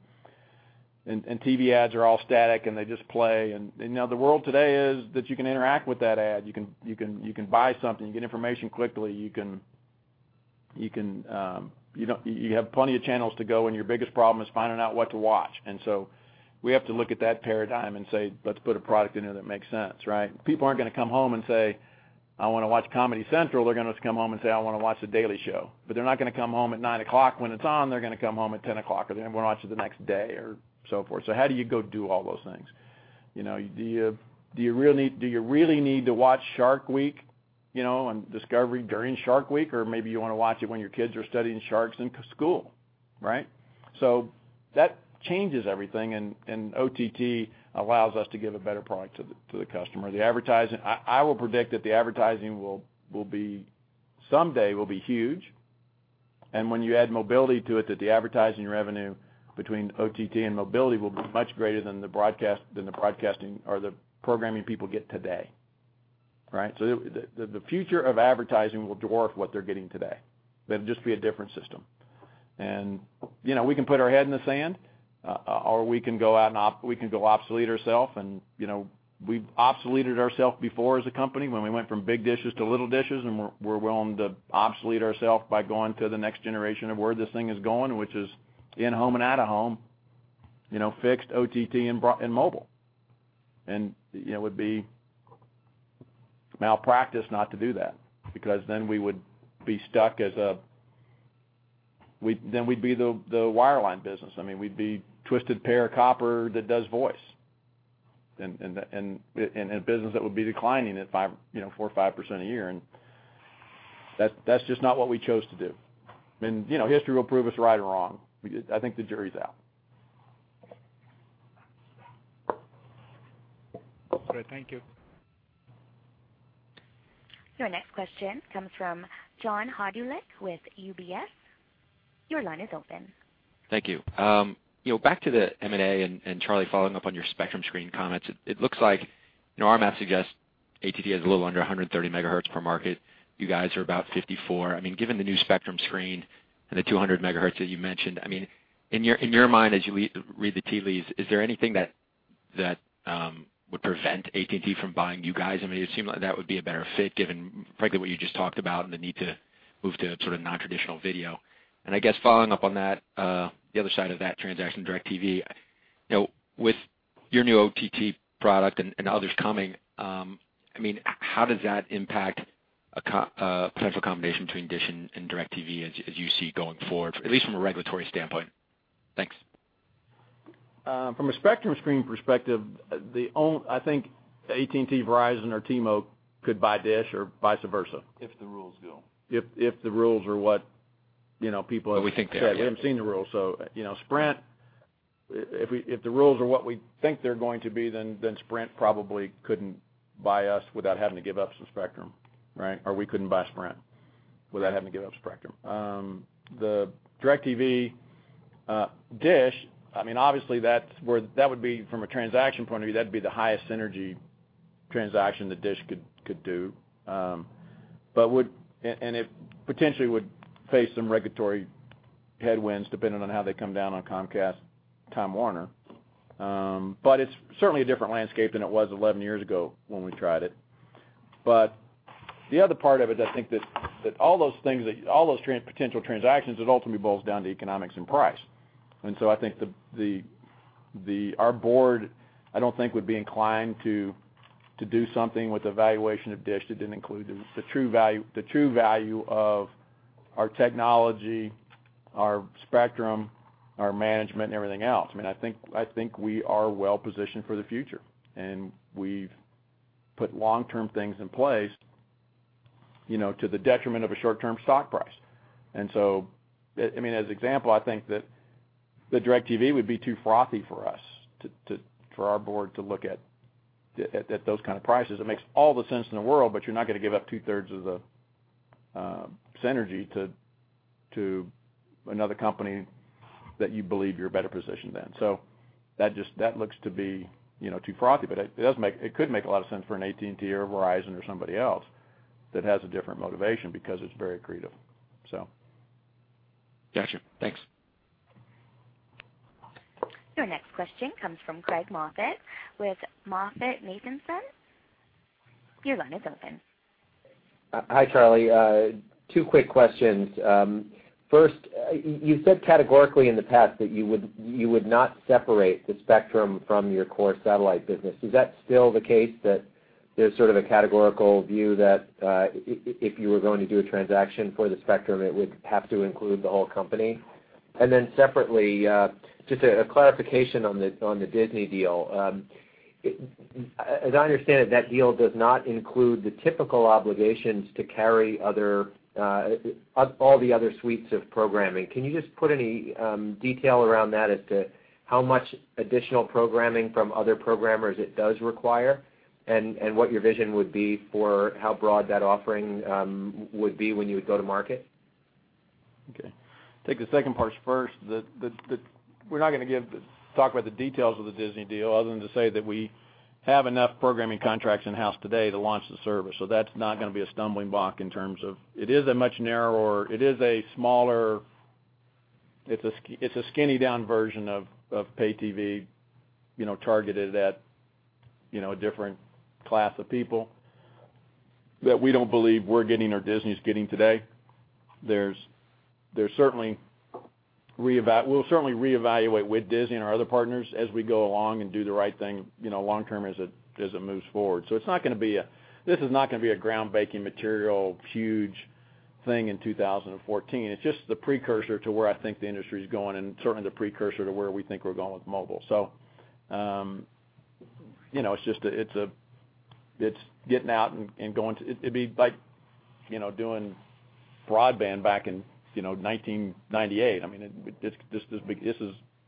TV ads are all static, and they just play. You know, the world today is that you can interact with that ad. You can buy something. You get information quickly. You can, you have plenty of channels to go, and your biggest problem is finding out what to watch. We have to look at that paradigm and say, "Let's put a product in there that makes sense," right? People aren't gonna come home and say, "I wanna watch Comedy Central." They're gonna come home and say, "I wanna watch The Daily Show." They're not gonna come home at nine o'clock when it's on. They're gonna come home at 10 o'clock or they're gonna watch it the next day or so forth. How do you go do all those things? You know, do you really need to watch Shark Week, you know, on Discovery during Shark Week? Or maybe you wanna watch it when your kids are studying sharks in school, right? That changes everything and OTT allows us to give a better product to the customer. The advertising, I will predict that the advertising will be, someday will be huge, and when you add mobility to it, that the advertising revenue between OTT and mobility will be much greater than the broadcasting or the programming people get today. Right? The future of advertising will dwarf what they're getting today. That'd just be a different system. You know, we can put our head in the sand, or we can go out and we can go obsolete ourself. You know, we've obsoleted ourself before as a company when we went from big dishes to little dishes, and we're willing to obsolete ourself by going to the next generation of where this thing is going, which is in-home and out-of-home, you know, fixed OTT and mobile. You know, it would be malpractice not to do that because then we would be stuck as then we'd be the wireline business. I mean, we'd be twisted pair of copper that does voice. And a business that would be declining at five, you know, 4% or 5% a year. That's just not what we chose to do. You know, history will prove us right or wrong. I think the jury's out. Great. Thank you. Your next question comes from John Hodulik with UBS. Your line is open. Thank you. You know, back to the M&A, Charlie, following up on your spectrum screen comments, it looks like, you know, our math suggests AT&T has a little under 130 MHz per market. You guys are about 54. I mean, given the new spectrum screen and the 200 MHz that you mentioned, I mean, in your mind, as you re-read the tea leaves, is there anything that would prevent AT&T from buying you guys? I mean, it seemed like that would be a better fit given frankly what you just talked about and the need to move to sort of nontraditional video. I guess following up on that, the other side of that transaction, DIRECTV, you know, with your new OTT product and others coming, I mean, how does that impact a potential combination between DISH and DIRECTV as you see going forward, at least from a regulatory standpoint? Thanks. From a spectrum screen perspective, I think AT&T, Verizon or T-Mobile could buy DISH or vice versa. If the rules go. If the rules are what, you know. We think they are, yeah. We haven't seen the rules. You know, Sprint, if the rules are what we think they're going to be, then Sprint probably couldn't buy us without having to give up some spectrum, right? We couldn't buy Sprint without having to give up spectrum. The DIRECTV, DISH, I mean, obviously that would be from a transaction point of view, that'd be the highest synergy transaction that DISH could do. It potentially would face some regulatory headwinds depending on how they come down on Comcast, Time Warner. It's certainly a different landscape than it was 11 years ago when we tried it. The other part of it, I think that all those potential transactions, it ultimately boils down to economics and price. I think our board, I don't think would be inclined to do something with the valuation of DISH that didn't include the true value of our technology, our spectrum, our management and everything else. I mean, I think we are well positioned for the future, and we've put long-term things in place, you know, to the detriment of a short-term stock price. I mean, as example, I think that DIRECTV would be too frothy for us for our board to look at those kinds of prices. It makes all the sense in the world, but you're not gonna give up 2/3 of the synergy to another company that you believe you're better positioned than. That looks to be, you know, too frothy. It could make a lot of sense for an AT&T or a Verizon or somebody else that has a different motivation because it's very accretive. Gotcha. Thanks. Your next question comes from Craig Moffett with MoffettNathanson. Your line is open. Hi, Charlie. Two quick questions. First, you said categorically in the past that you would not separate the spectrum from your core satellite business. Is that still the case that there's sort of a categorical view that if you were going to do a transaction for the spectrum, it would have to include the whole company? Separately, just a clarification on the Disney deal. As I understand it, that deal does not include the typical obligations to carry other, all the other suites of programming. Can you just put any detail around that as to how much additional programming from other programmers it does require and what your vision would be for how broad that offering would be when you would go to market? Okay. Take the second parts first. We're not gonna talk about the details of the Disney deal other than to say that we have enough programming contracts in-house today to launch the service. That's not gonna be a stumbling block in terms of. It is a much narrower, it is a smaller, it's a skinny down version of pay TV, you know, targeted at, you know, a different class of people that we don't believe we're getting or Disney's getting today. We'll certainly reevaluate with Disney and our other partners as we go along and do the right thing, you know, long term as it moves forward. This is not gonna be a groundbreaking, material, huge thing in 2014. It's just the precursor to where I think the industry's going and certainly the precursor to where we think we're going with mobile. You know, it's just getting out and going to. It'd be like, you know, doing broadband back in, you know, 1998. I mean, it,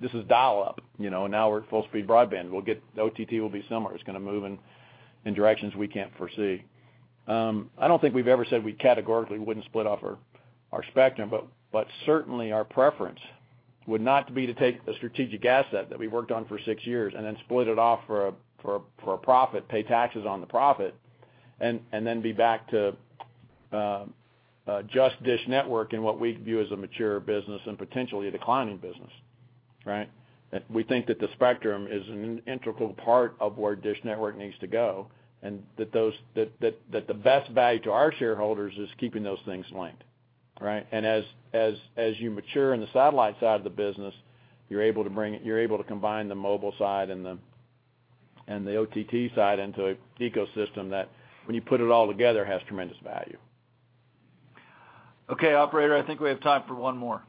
this is dial-up, you know, now we're at full speed broadband. OTT will be similar. It's gonna move in directions we can't foresee. I don't think we've ever said we categorically wouldn't split off our spectrum, but certainly our preference would not be to take a strategic asset that we worked on for six years and then split it off for profit, pay taxes on the profit and then be back to just DISH Network and what we view as a mature business and potentially a declining business, right. We think that the spectrum is an integral part of where DISH Network needs to go, and that the best value to our shareholders is keeping those things linked, right. As you mature in the satellite side of the business, you're able to combine the mobile side and the OTT side into a ecosystem that when you put it all together, has tremendous value. Okay, operator, I think we have time for one more.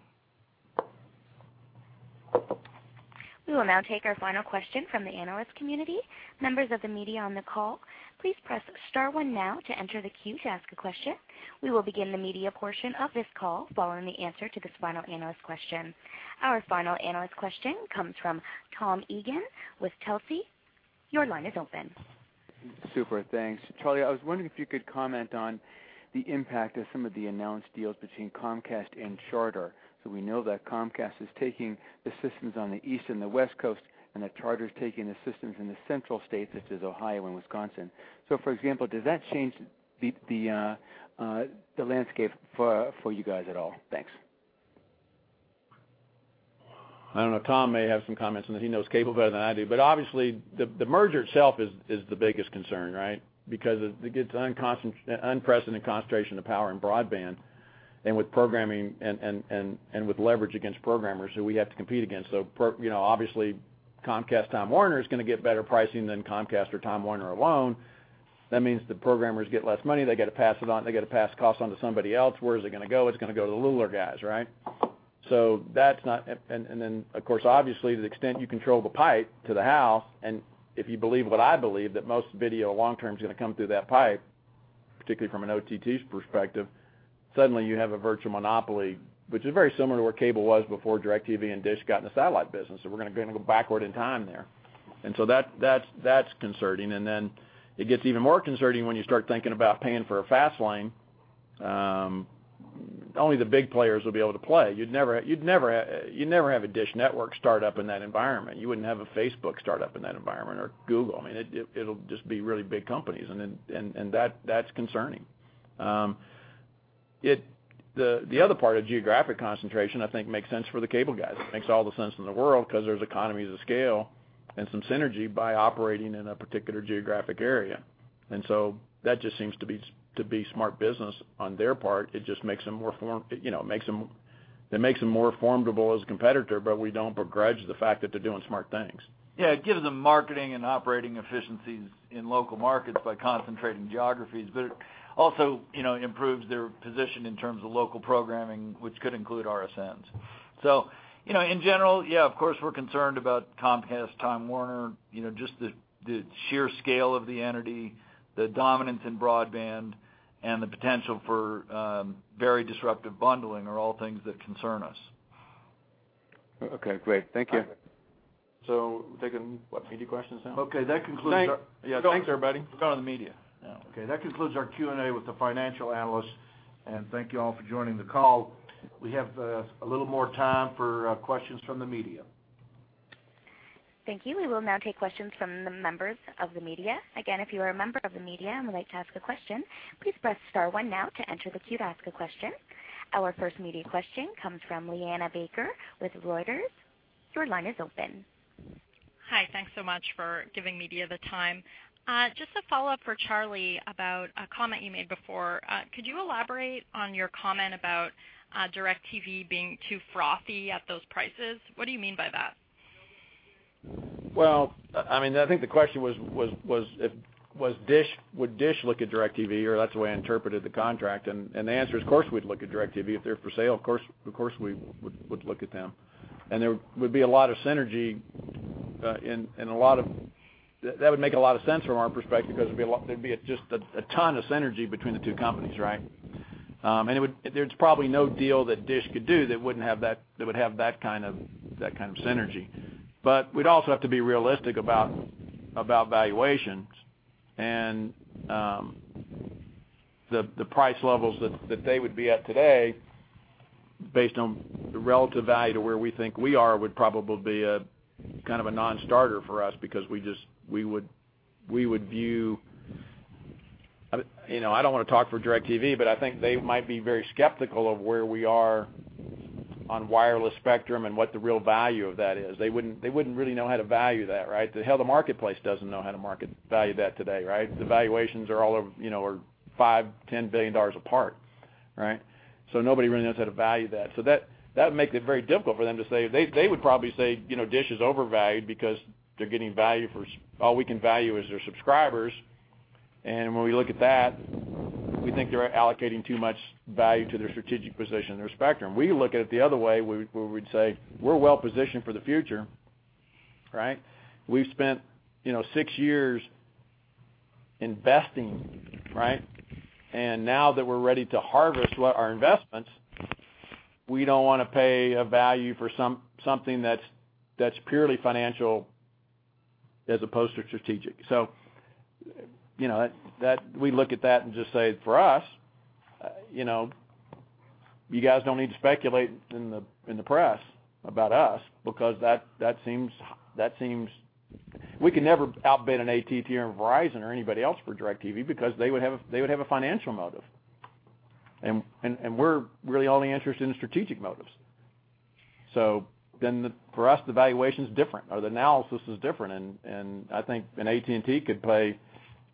We will now take our final question from the analyst community. Members of the media on the call, please press star one now to enter the queue to ask a question. We will begin the media portion of this call following the answer to this final analyst question. Our final analyst question comes from Tom Eagan with Telsey. Your line is open. Super. Thanks. Charlie, I was wondering if you could comment on the impact of some of the announced deals between Comcast and Charter. We know that Comcast is taking the systems on the East Coast and the West Coast, and that Charter is taking the systems in the central states such as Ohio and Wisconsin. For example, does that change the landscape for you guys at all? Thanks. I don't know. Tom may have some comments on that. He knows cable better than I do. Obviously, the merger itself is the biggest concern, right? It gets unprecedented concentration of power in broadband and with programming and with leverage against programmers who we have to compete against. You know, obviously, Comcast/Time Warner is gonna get better pricing than Comcast or Time Warner alone. That means the programmers get less money. They got to pass it on. They got to pass costs on to somebody else. Where is it gonna go? It's gonna go to the littler guys, right? That's not. And then, of course, obviously, to the extent you control the pipe to the house, and if you believe what I believe, that most video long-term is gonna come through that pipe, particularly from an OTT perspective, suddenly you have a virtual monopoly, which is very similar to where cable was before DIRECTV and DISH got in the satellite business. We're gonna go backward in time there. That's concerning. It gets even more concerning when you start thinking about paying for a fast lane. Only the big players will be able to play. You'd never have a DISH Network start up in that environment. You wouldn't have a Facebook start up in that environment or Google. I mean, it'll just be really big companies and that's concerning. The other part of geographic concentration, I think makes sense for the cable guys. It makes all the sense in the world 'cause there's economies of scale and some synergy by operating in a particular geographic area. That just seems to be smart business on their part. It just makes them more, you know, it makes them more formidable as a competitor, but we don't begrudge the fact that they're doing smart things. Yeah, it gives them marketing and operating efficiencies in local markets by concentrating geographies. It also, you know, improves their position in terms of local programming, which could include RSNs. In general, you know, yeah, of course, we're concerned about Comcast/Time Warner, you know, just the sheer scale of the entity, the dominance in broadband, and the potential for very disruptive bundling are all things that concern us. Okay, great. Thank you. We're taking what? Media questions now? Okay, that concludes. Thanks. Thanks, everybody. We're going to the media now. Okay, that concludes our Q&A with the financial analysts. Thank you all for joining the call. We have a little more time for questions from the media. Thank you. We will now take questions from the members of the media. Again, if you are a member of the media and would like to ask a question, please press star one now to enter the queue to ask a question. Our first media question comes from Liana Baker with Reuters. Your line is open. Hi. Thanks so much for giving media the time. Just a follow-up for Charlie about a comment you made before. Could you elaborate on your comment about DIRECTV being too frothy at those prices? What do you mean by that? Well, I mean, I think the question was if DISH would look at DIRECTV or that's the way I interpreted the contract. The answer is, of course, we'd look at DIRECTV. If they're for sale, of course we would look at them. There would be a lot of synergy, and that would make a lot of sense from our perspective because there'd be just a ton of synergy between the two companies, right? There's probably no deal that DISH could do that would have that kind of synergy. We'd also have to be realistic about valuations and the price levels that they would be at today based on the relative value to where we think we are would probably be a kind of a non-starter for us because we would view. You know, I don't wanna talk for DIRECTV, but I think they might be very skeptical of where we are on wireless spectrum and what the real value of that is. They wouldn't really know how to value that, right? Hell, the marketplace doesn't know how to value that today, right? The valuations are all over, you know, are $5 billion, $10 billion apart, right? Nobody really knows how to value that. That, that makes it very difficult for them to say They, they would probably say, you know, DISH is overvalued because they're getting value for All we can value is their subscribers. When we look at that, we think they're allocating too much value to their strategic position and their spectrum. We look at it the other way, where we, where we'd say, we're well-positioned for the future, right? We've spent, you know, six years investing, right? Now that we're ready to harvest what our investments, we don't wanna pay a value for something that's purely financial as opposed to strategic. You know, we look at that and just say for us, you know, you guys don't need to speculate in the press about us because that seems we can never outbid an AT&T or a Verizon or anybody else for DIRECTV because they would have a financial motive. We're really only interested in strategic motives. For us, the valuation's different or the analysis is different and I think an AT&T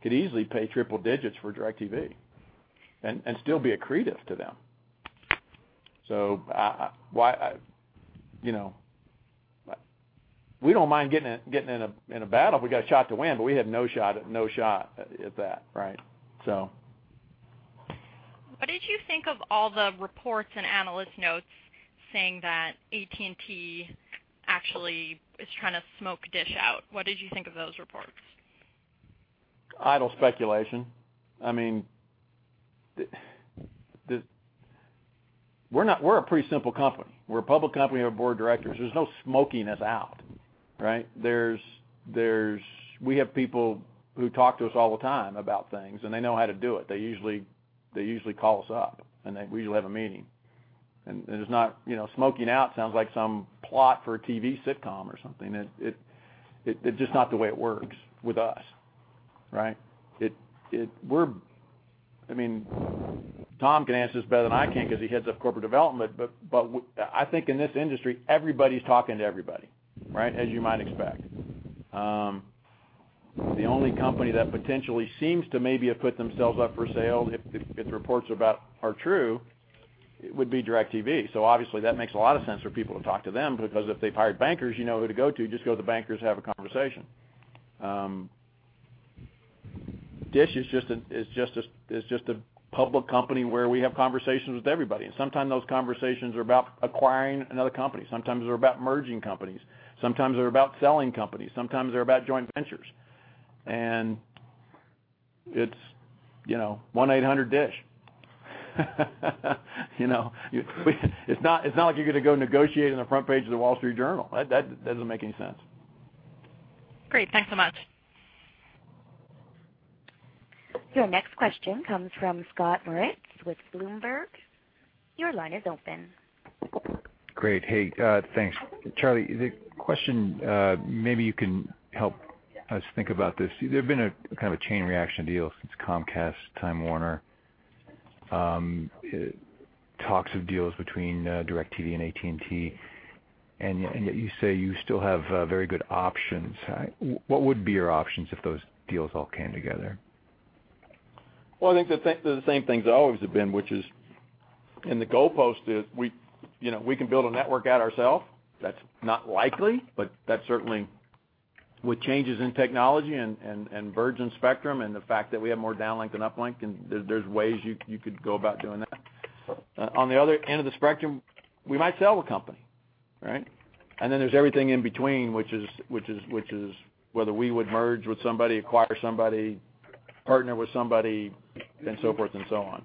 could easily pay triple digits for DIRECTV and still be accretive to them. I, you know, we don't mind getting in a battle if we got a shot to win, but we have no shot at that, right? What did you think of all the reports and analyst notes saying that AT&T actually is trying to smoke DISH out? What did you think of those reports? Idle speculation. I mean, we're a pretty simple company. We're a public company. We have a board of directors. There's no smoking us out, right? We have people who talk to us all the time about things, and they know how to do it. They usually call us up, and we usually have a meeting. It's not you know, smoking out sounds like some plot for a TV sitcom or something. It's just not the way it works with us, right? We're I mean, Tom can answer this better than I can 'cause he heads up corporate development, but I think in this industry, everybody's talking to everybody, right, as you might expect. The only company that potentially seems to maybe have put themselves up for sale if the reports about are true, would-be DIRECTV. Obviously, that makes a lot of sense for people to talk to them because if they've hired bankers, you know who to go to. Just go to the bankers, have a conversation. DISH is just a public company where we have conversations with everybody, and sometimes those conversations are about acquiring another company. Sometimes they're about merging companies. Sometimes they're about selling companies. Sometimes they're about joint ventures. It's, you know, 1-800 DISH. You know. It's not like you're gonna go negotiate on the front page of The Wall Street Journal. That doesn't make any sense. Great. Thanks so much. Your next question comes from Scott Moritz with Bloomberg. Your line is open. Great. Hey, thanks. Charlie, the question, maybe you can help us think about this. There've been a kind of a chain reaction deals since Comcast, Time Warner, talks of deals between DIRECTV and AT&T, and yet you say you still have very good options. What would be your options if those deals all came together? Well, I think the same things they always have been, which is the goalpost is we, you know, we can build a network out ourself. That's not likely, but that certainly, with changes in technology and virgin spectrum and the fact that we have more downlink than uplink, and there's ways you could go about doing that. On the other end of the spectrum, we might sell the company, right? There's everything in between, which is whether we would merge with somebody, acquire somebody, partner with somebody, and so forth and so on.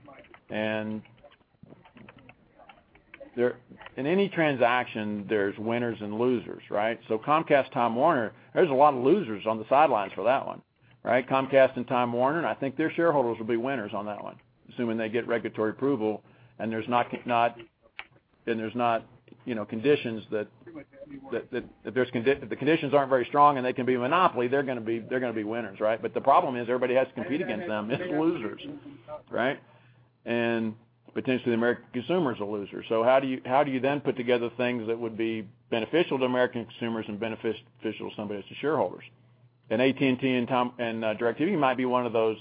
In any transaction, there's winners and losers, right? Comcast/Time Warner, there's a lot of losers on the sidelines for that one, right? Comcast and Time Warner, I think their shareholders will be winners on that one, assuming they get regulatory approval and there's not, you know, conditions that if the conditions aren't very strong and they can be a monopoly, they're gonna be winners, right? The problem is everybody has to compete against them. It's losers, right? Potentially the American consumer's a loser. How do you then put together things that would be beneficial to American consumers and beneficial to somebody else's shareholders? AT&T and DIRECTV might be one of those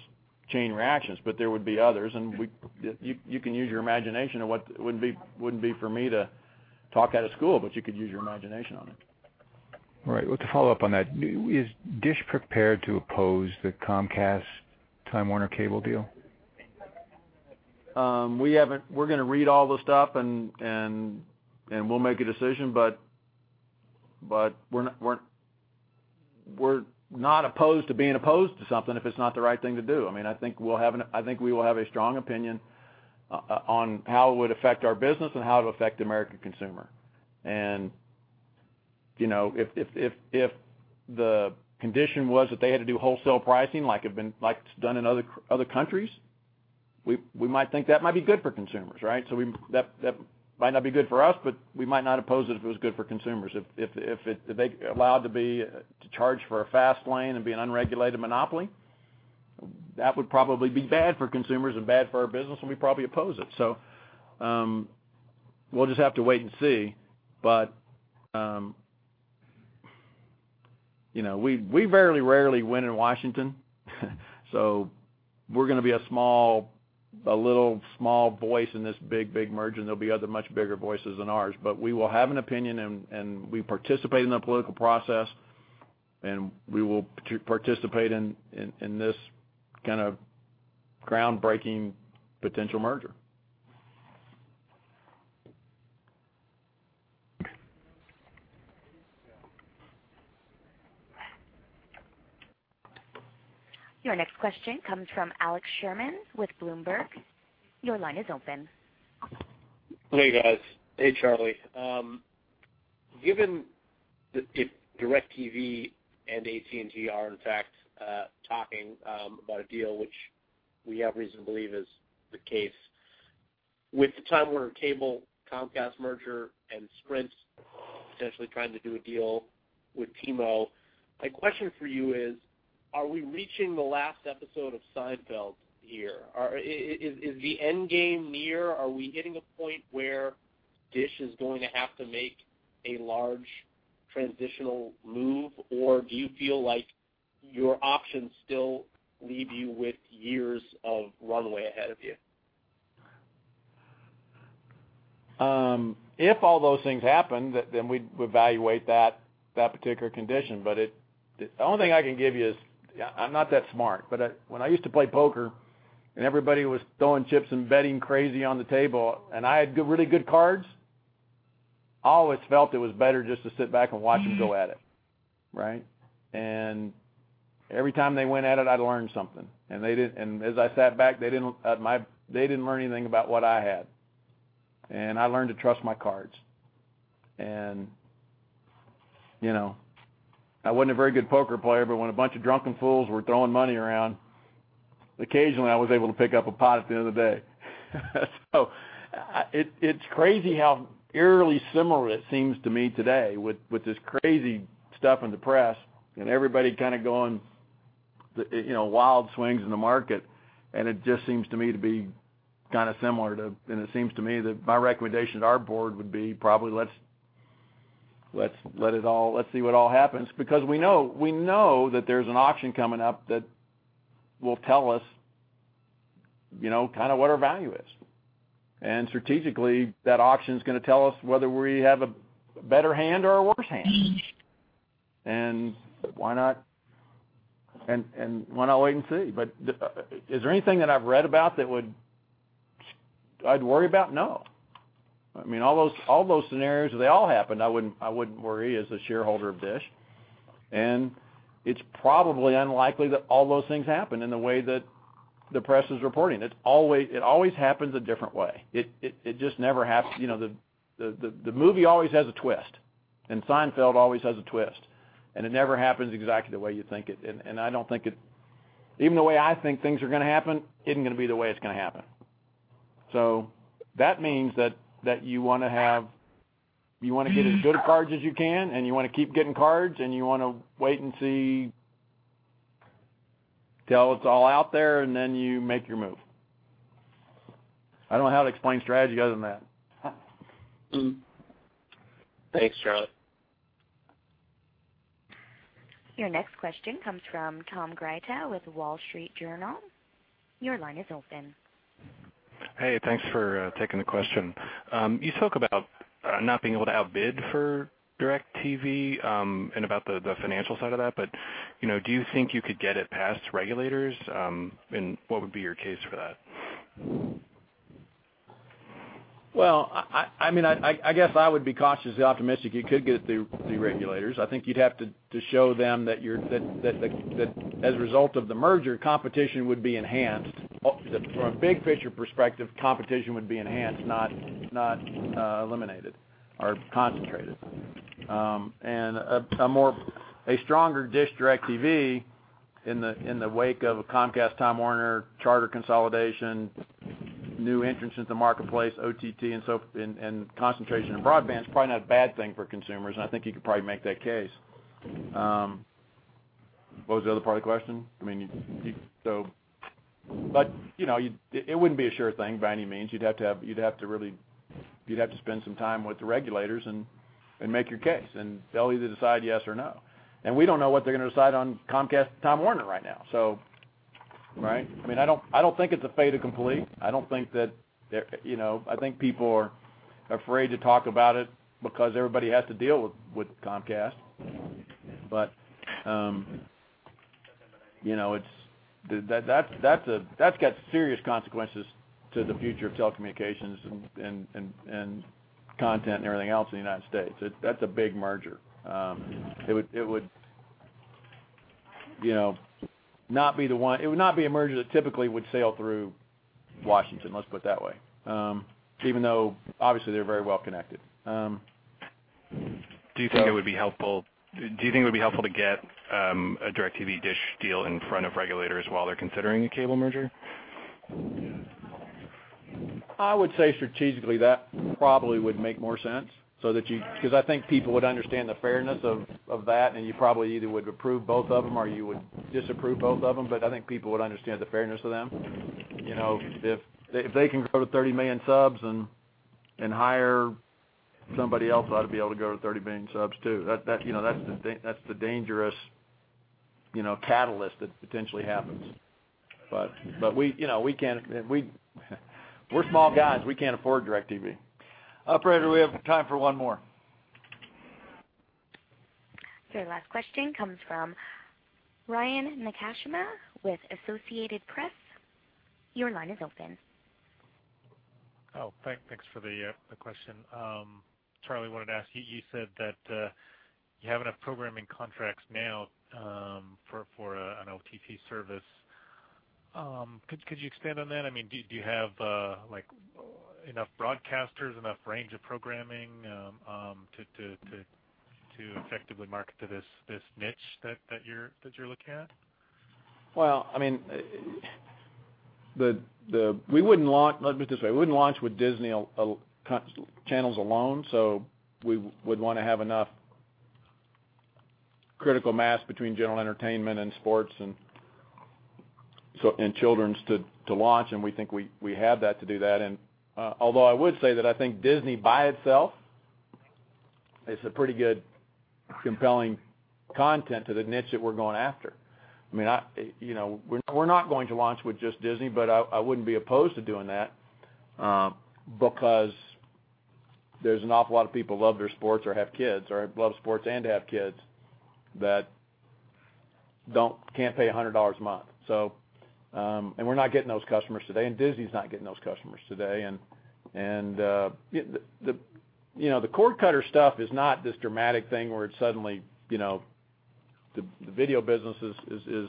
chain reactions, but there would be others and you can use your imagination of what It wouldn't be for me to talk out of school, but you could use your imagination on it. All right. Well, to follow up on that, is DISH prepared to oppose the Comcast/Time Warner Cable deal? We're gonna read all the stuff and we'll make a decision, but we're not opposed to being opposed to something if it's not the right thing to do. I mean, I think we will have a strong opinion on how it would affect our business and how it would affect the American consumer. You know, if the condition was that they had to do wholesale pricing like it's done in other countries, we might think that might be good for consumers, right? That might not be good for us, but we might not oppose it if it was good for consumers. If they allowed to charge for a fast lane and be an unregulated monopoly, that would probably be bad for consumers and bad for our business, and we'd probably oppose it. We'll just have to wait and see. You know, we very rarely win in Washington, so we're gonna be a small voice in this big merger, and there'll be other much bigger voices than ours. We will have an opinion, and we participate in the political process, and we will participate in this kind of groundbreaking potential merger. Your next question comes from Alex Sherman with Bloomberg. Your line is open. Hey, guys. Hey, Charlie. Given that if DIRECTV and AT&T are in fact talking about a deal which we have reason to believe is the case, with the Time Warner Cable, Comcast merger and Sprint potentially trying to do a deal with T-Mo, my question for you is, are we reaching the last episode of Seinfeld here? Is the end game near? Are we hitting a point where DISH is going to have to make a large transitional move, or do you feel like your options still leave you with years of runway ahead of you? If all those things happen, then we'd evaluate that particular condition. The only thing I can give you is I'm not that smart. When I used to play poker and everybody was throwing chips and betting crazy on the table, and I had really good cards, I always felt it was better just to sit back and watch them go at it, right? Every time they went at it, I learned something. As I sat back, they didn't learn anything about what I had. I learned to trust my cards. You know, I wasn't a very good poker player, when a bunch of drunken fools were throwing money around, occasionally I was able to pick up a pot at the end of the day. It's crazy how eerily similar it seems to me today with this crazy stuff in the press and everybody kinda going, you know, wild swings in the market. It just seems to me that my recommendation to our board would be probably, let's let it all-- let's see what all happens. Because we know that there's an auction coming up that will tell us, you know, kinda what our value is. Strategically, that auction's gonna tell us whether we have a better hand or a worse hand. Why not wait and see? Is there anything that I've read about that I'd worry about? No. I mean, all those scenarios, they all happen. I wouldn't worry as a shareholder of DISH. It's probably unlikely that all those things happen in the way that the press is reporting. It always happens a different way. It just never happens. You know, the movie always has a twist, and Seinfeld always has a twist, and it never happens exactly the way you think it. Even the way I think things are gonna happen isn't gonna be the way it's gonna happen. That means that you wanna get as good cards as you can, and you wanna keep getting cards, and you wanna wait and see till it's all out there, and then you make your move. I don't know how to explain strategy other than that. Thanks, Charlie. Your next question comes from Tom Gryta with The Wall Street Journal. Your line is open. Hey, thanks for taking the question. You spoke about not being able to outbid for DIRECTV, and about the financial side of that. You know, do you think you could get it past regulators? What would be your case for that? Well, I mean, I guess I would be cautiously optimistic you could get it through the regulators. I think you'd have to show them that as a result of the merger; competition would be enhanced. From a big picture perspective, competition would be enhanced, not eliminated or concentrated. A stronger DISH DIRECTV in the wake of a Comcast Time Warner Cable Charter Communications consolidation, new entrants into the marketplace, OTT and concentration in broadband is probably not a bad thing for consumers, and I think you could probably make that case. What was the other part of the question? I mean, you know, it wouldn't be a sure thing by any means. You'd have to really spend some time with the regulators and make your case, and they'll either decide yes or no. We don't know what they're gonna decide on Comcast and Time Warner right now, so, right? I mean, I don't think it's a fait accompli. I don't think that, you know, I think people are afraid to talk about it because everybody has to deal with Comcast. You know, that's got serious consequences to the future of telecommunications and content and everything else in the United States. That's a big merger. It would, you know, not be a merger that typically would sail through Washington, let's put it that way. Even though obviously they're very well connected. Um, so- Do you think it would be helpful to get a DIRECTV DISH deal in front of regulators while they're considering a cable merger? I would say strategically, that probably would make more sense so that because I think people would understand the fairness of that, and you probably either would approve both of them and you would disapprove both of them. I think people would understand the fairness of them. You know, if they, if they can grow to 30 million subs and hire somebody else, I ought to be able to go to 30 million subs too. That, you know, that's the dangerous, you know, catalyst that potentially happens. We, you know, we're small guys. We can't afford DIRECTV. Operator, we have time for one more. Your last question comes from Ryan Nakashima with Associated Press. Your line is open. Thanks for the question. Charlie wanted to ask you said that you have enough programming contracts now for an OTT service. Could you expand on that? I mean, do you have like enough broadcasters, enough range of programming to effectively market to this niche that you're looking at? Well, I mean, let me put it this way. We wouldn't launch with Disney channel's alone, so we would wanna have enough critical mass between general entertainment and sports and children to launch, and we think we have that to do that. Although I would say that I think Disney by itself is a pretty good compelling content to the niche that we're going after. I mean, you know, we're not going to launch with just Disney, but I wouldn't be opposed to doing that, because there's an awful lot of people who love their sports or have kids or love sports and have kids that can't pay $100 a month. We're not getting those customers today, and Disney's not getting those customers today. You know, the cord cutter stuff is not this dramatic thing where it's suddenly, you know, the video business is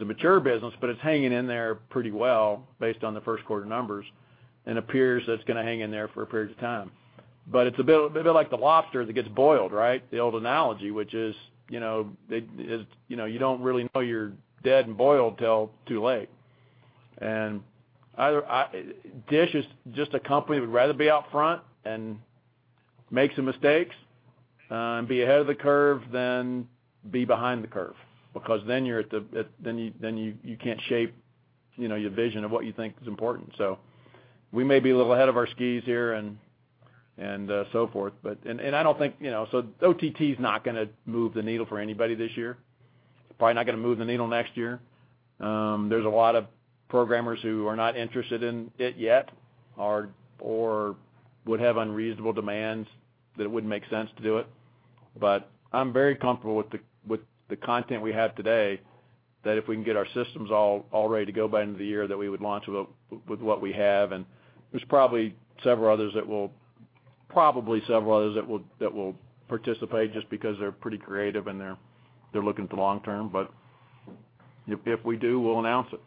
a mature business, but it's hanging in there pretty well based on the first quarter numbers and appears that it's gonna hang in there for a period of time. It's a bit like the lobster that gets boiled, right? The old analogy, which is, you know, they, it is, you know, you don't really know you're dead and boiled till too late. Either DISH is just a company that would rather be out front and make some mistakes and be ahead of the curve than be behind the curve because then you can't shape, you know, your vision of what you think is important. We may be a little ahead of our skis here and so forth, but I don't think, you know, OTT's not gonna move the needle for anybody this year. It's probably not gonna move the needle next year. There's a lot of programmers who are not interested in it yet or would have unreasonable demands that it wouldn't make sense to do it. I'm very comfortable with the content we have today, that if we can get our systems all ready to go by end of the year, that we would launch with what we have. There're probably several others that will participate just because they're pretty creative and they're looking to long term. If we do, we'll announce it.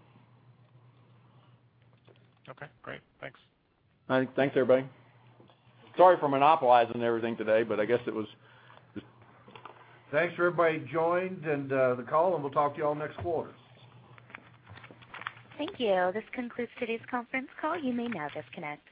Okay, great. Thanks. All right. Thanks everybody. Sorry for monopolizing everything today, but I guess it was just- Thanks for everybody who joined and the call. We'll talk to you all next quarter. Thank you. This concludes today's conference call. You may now disconnect.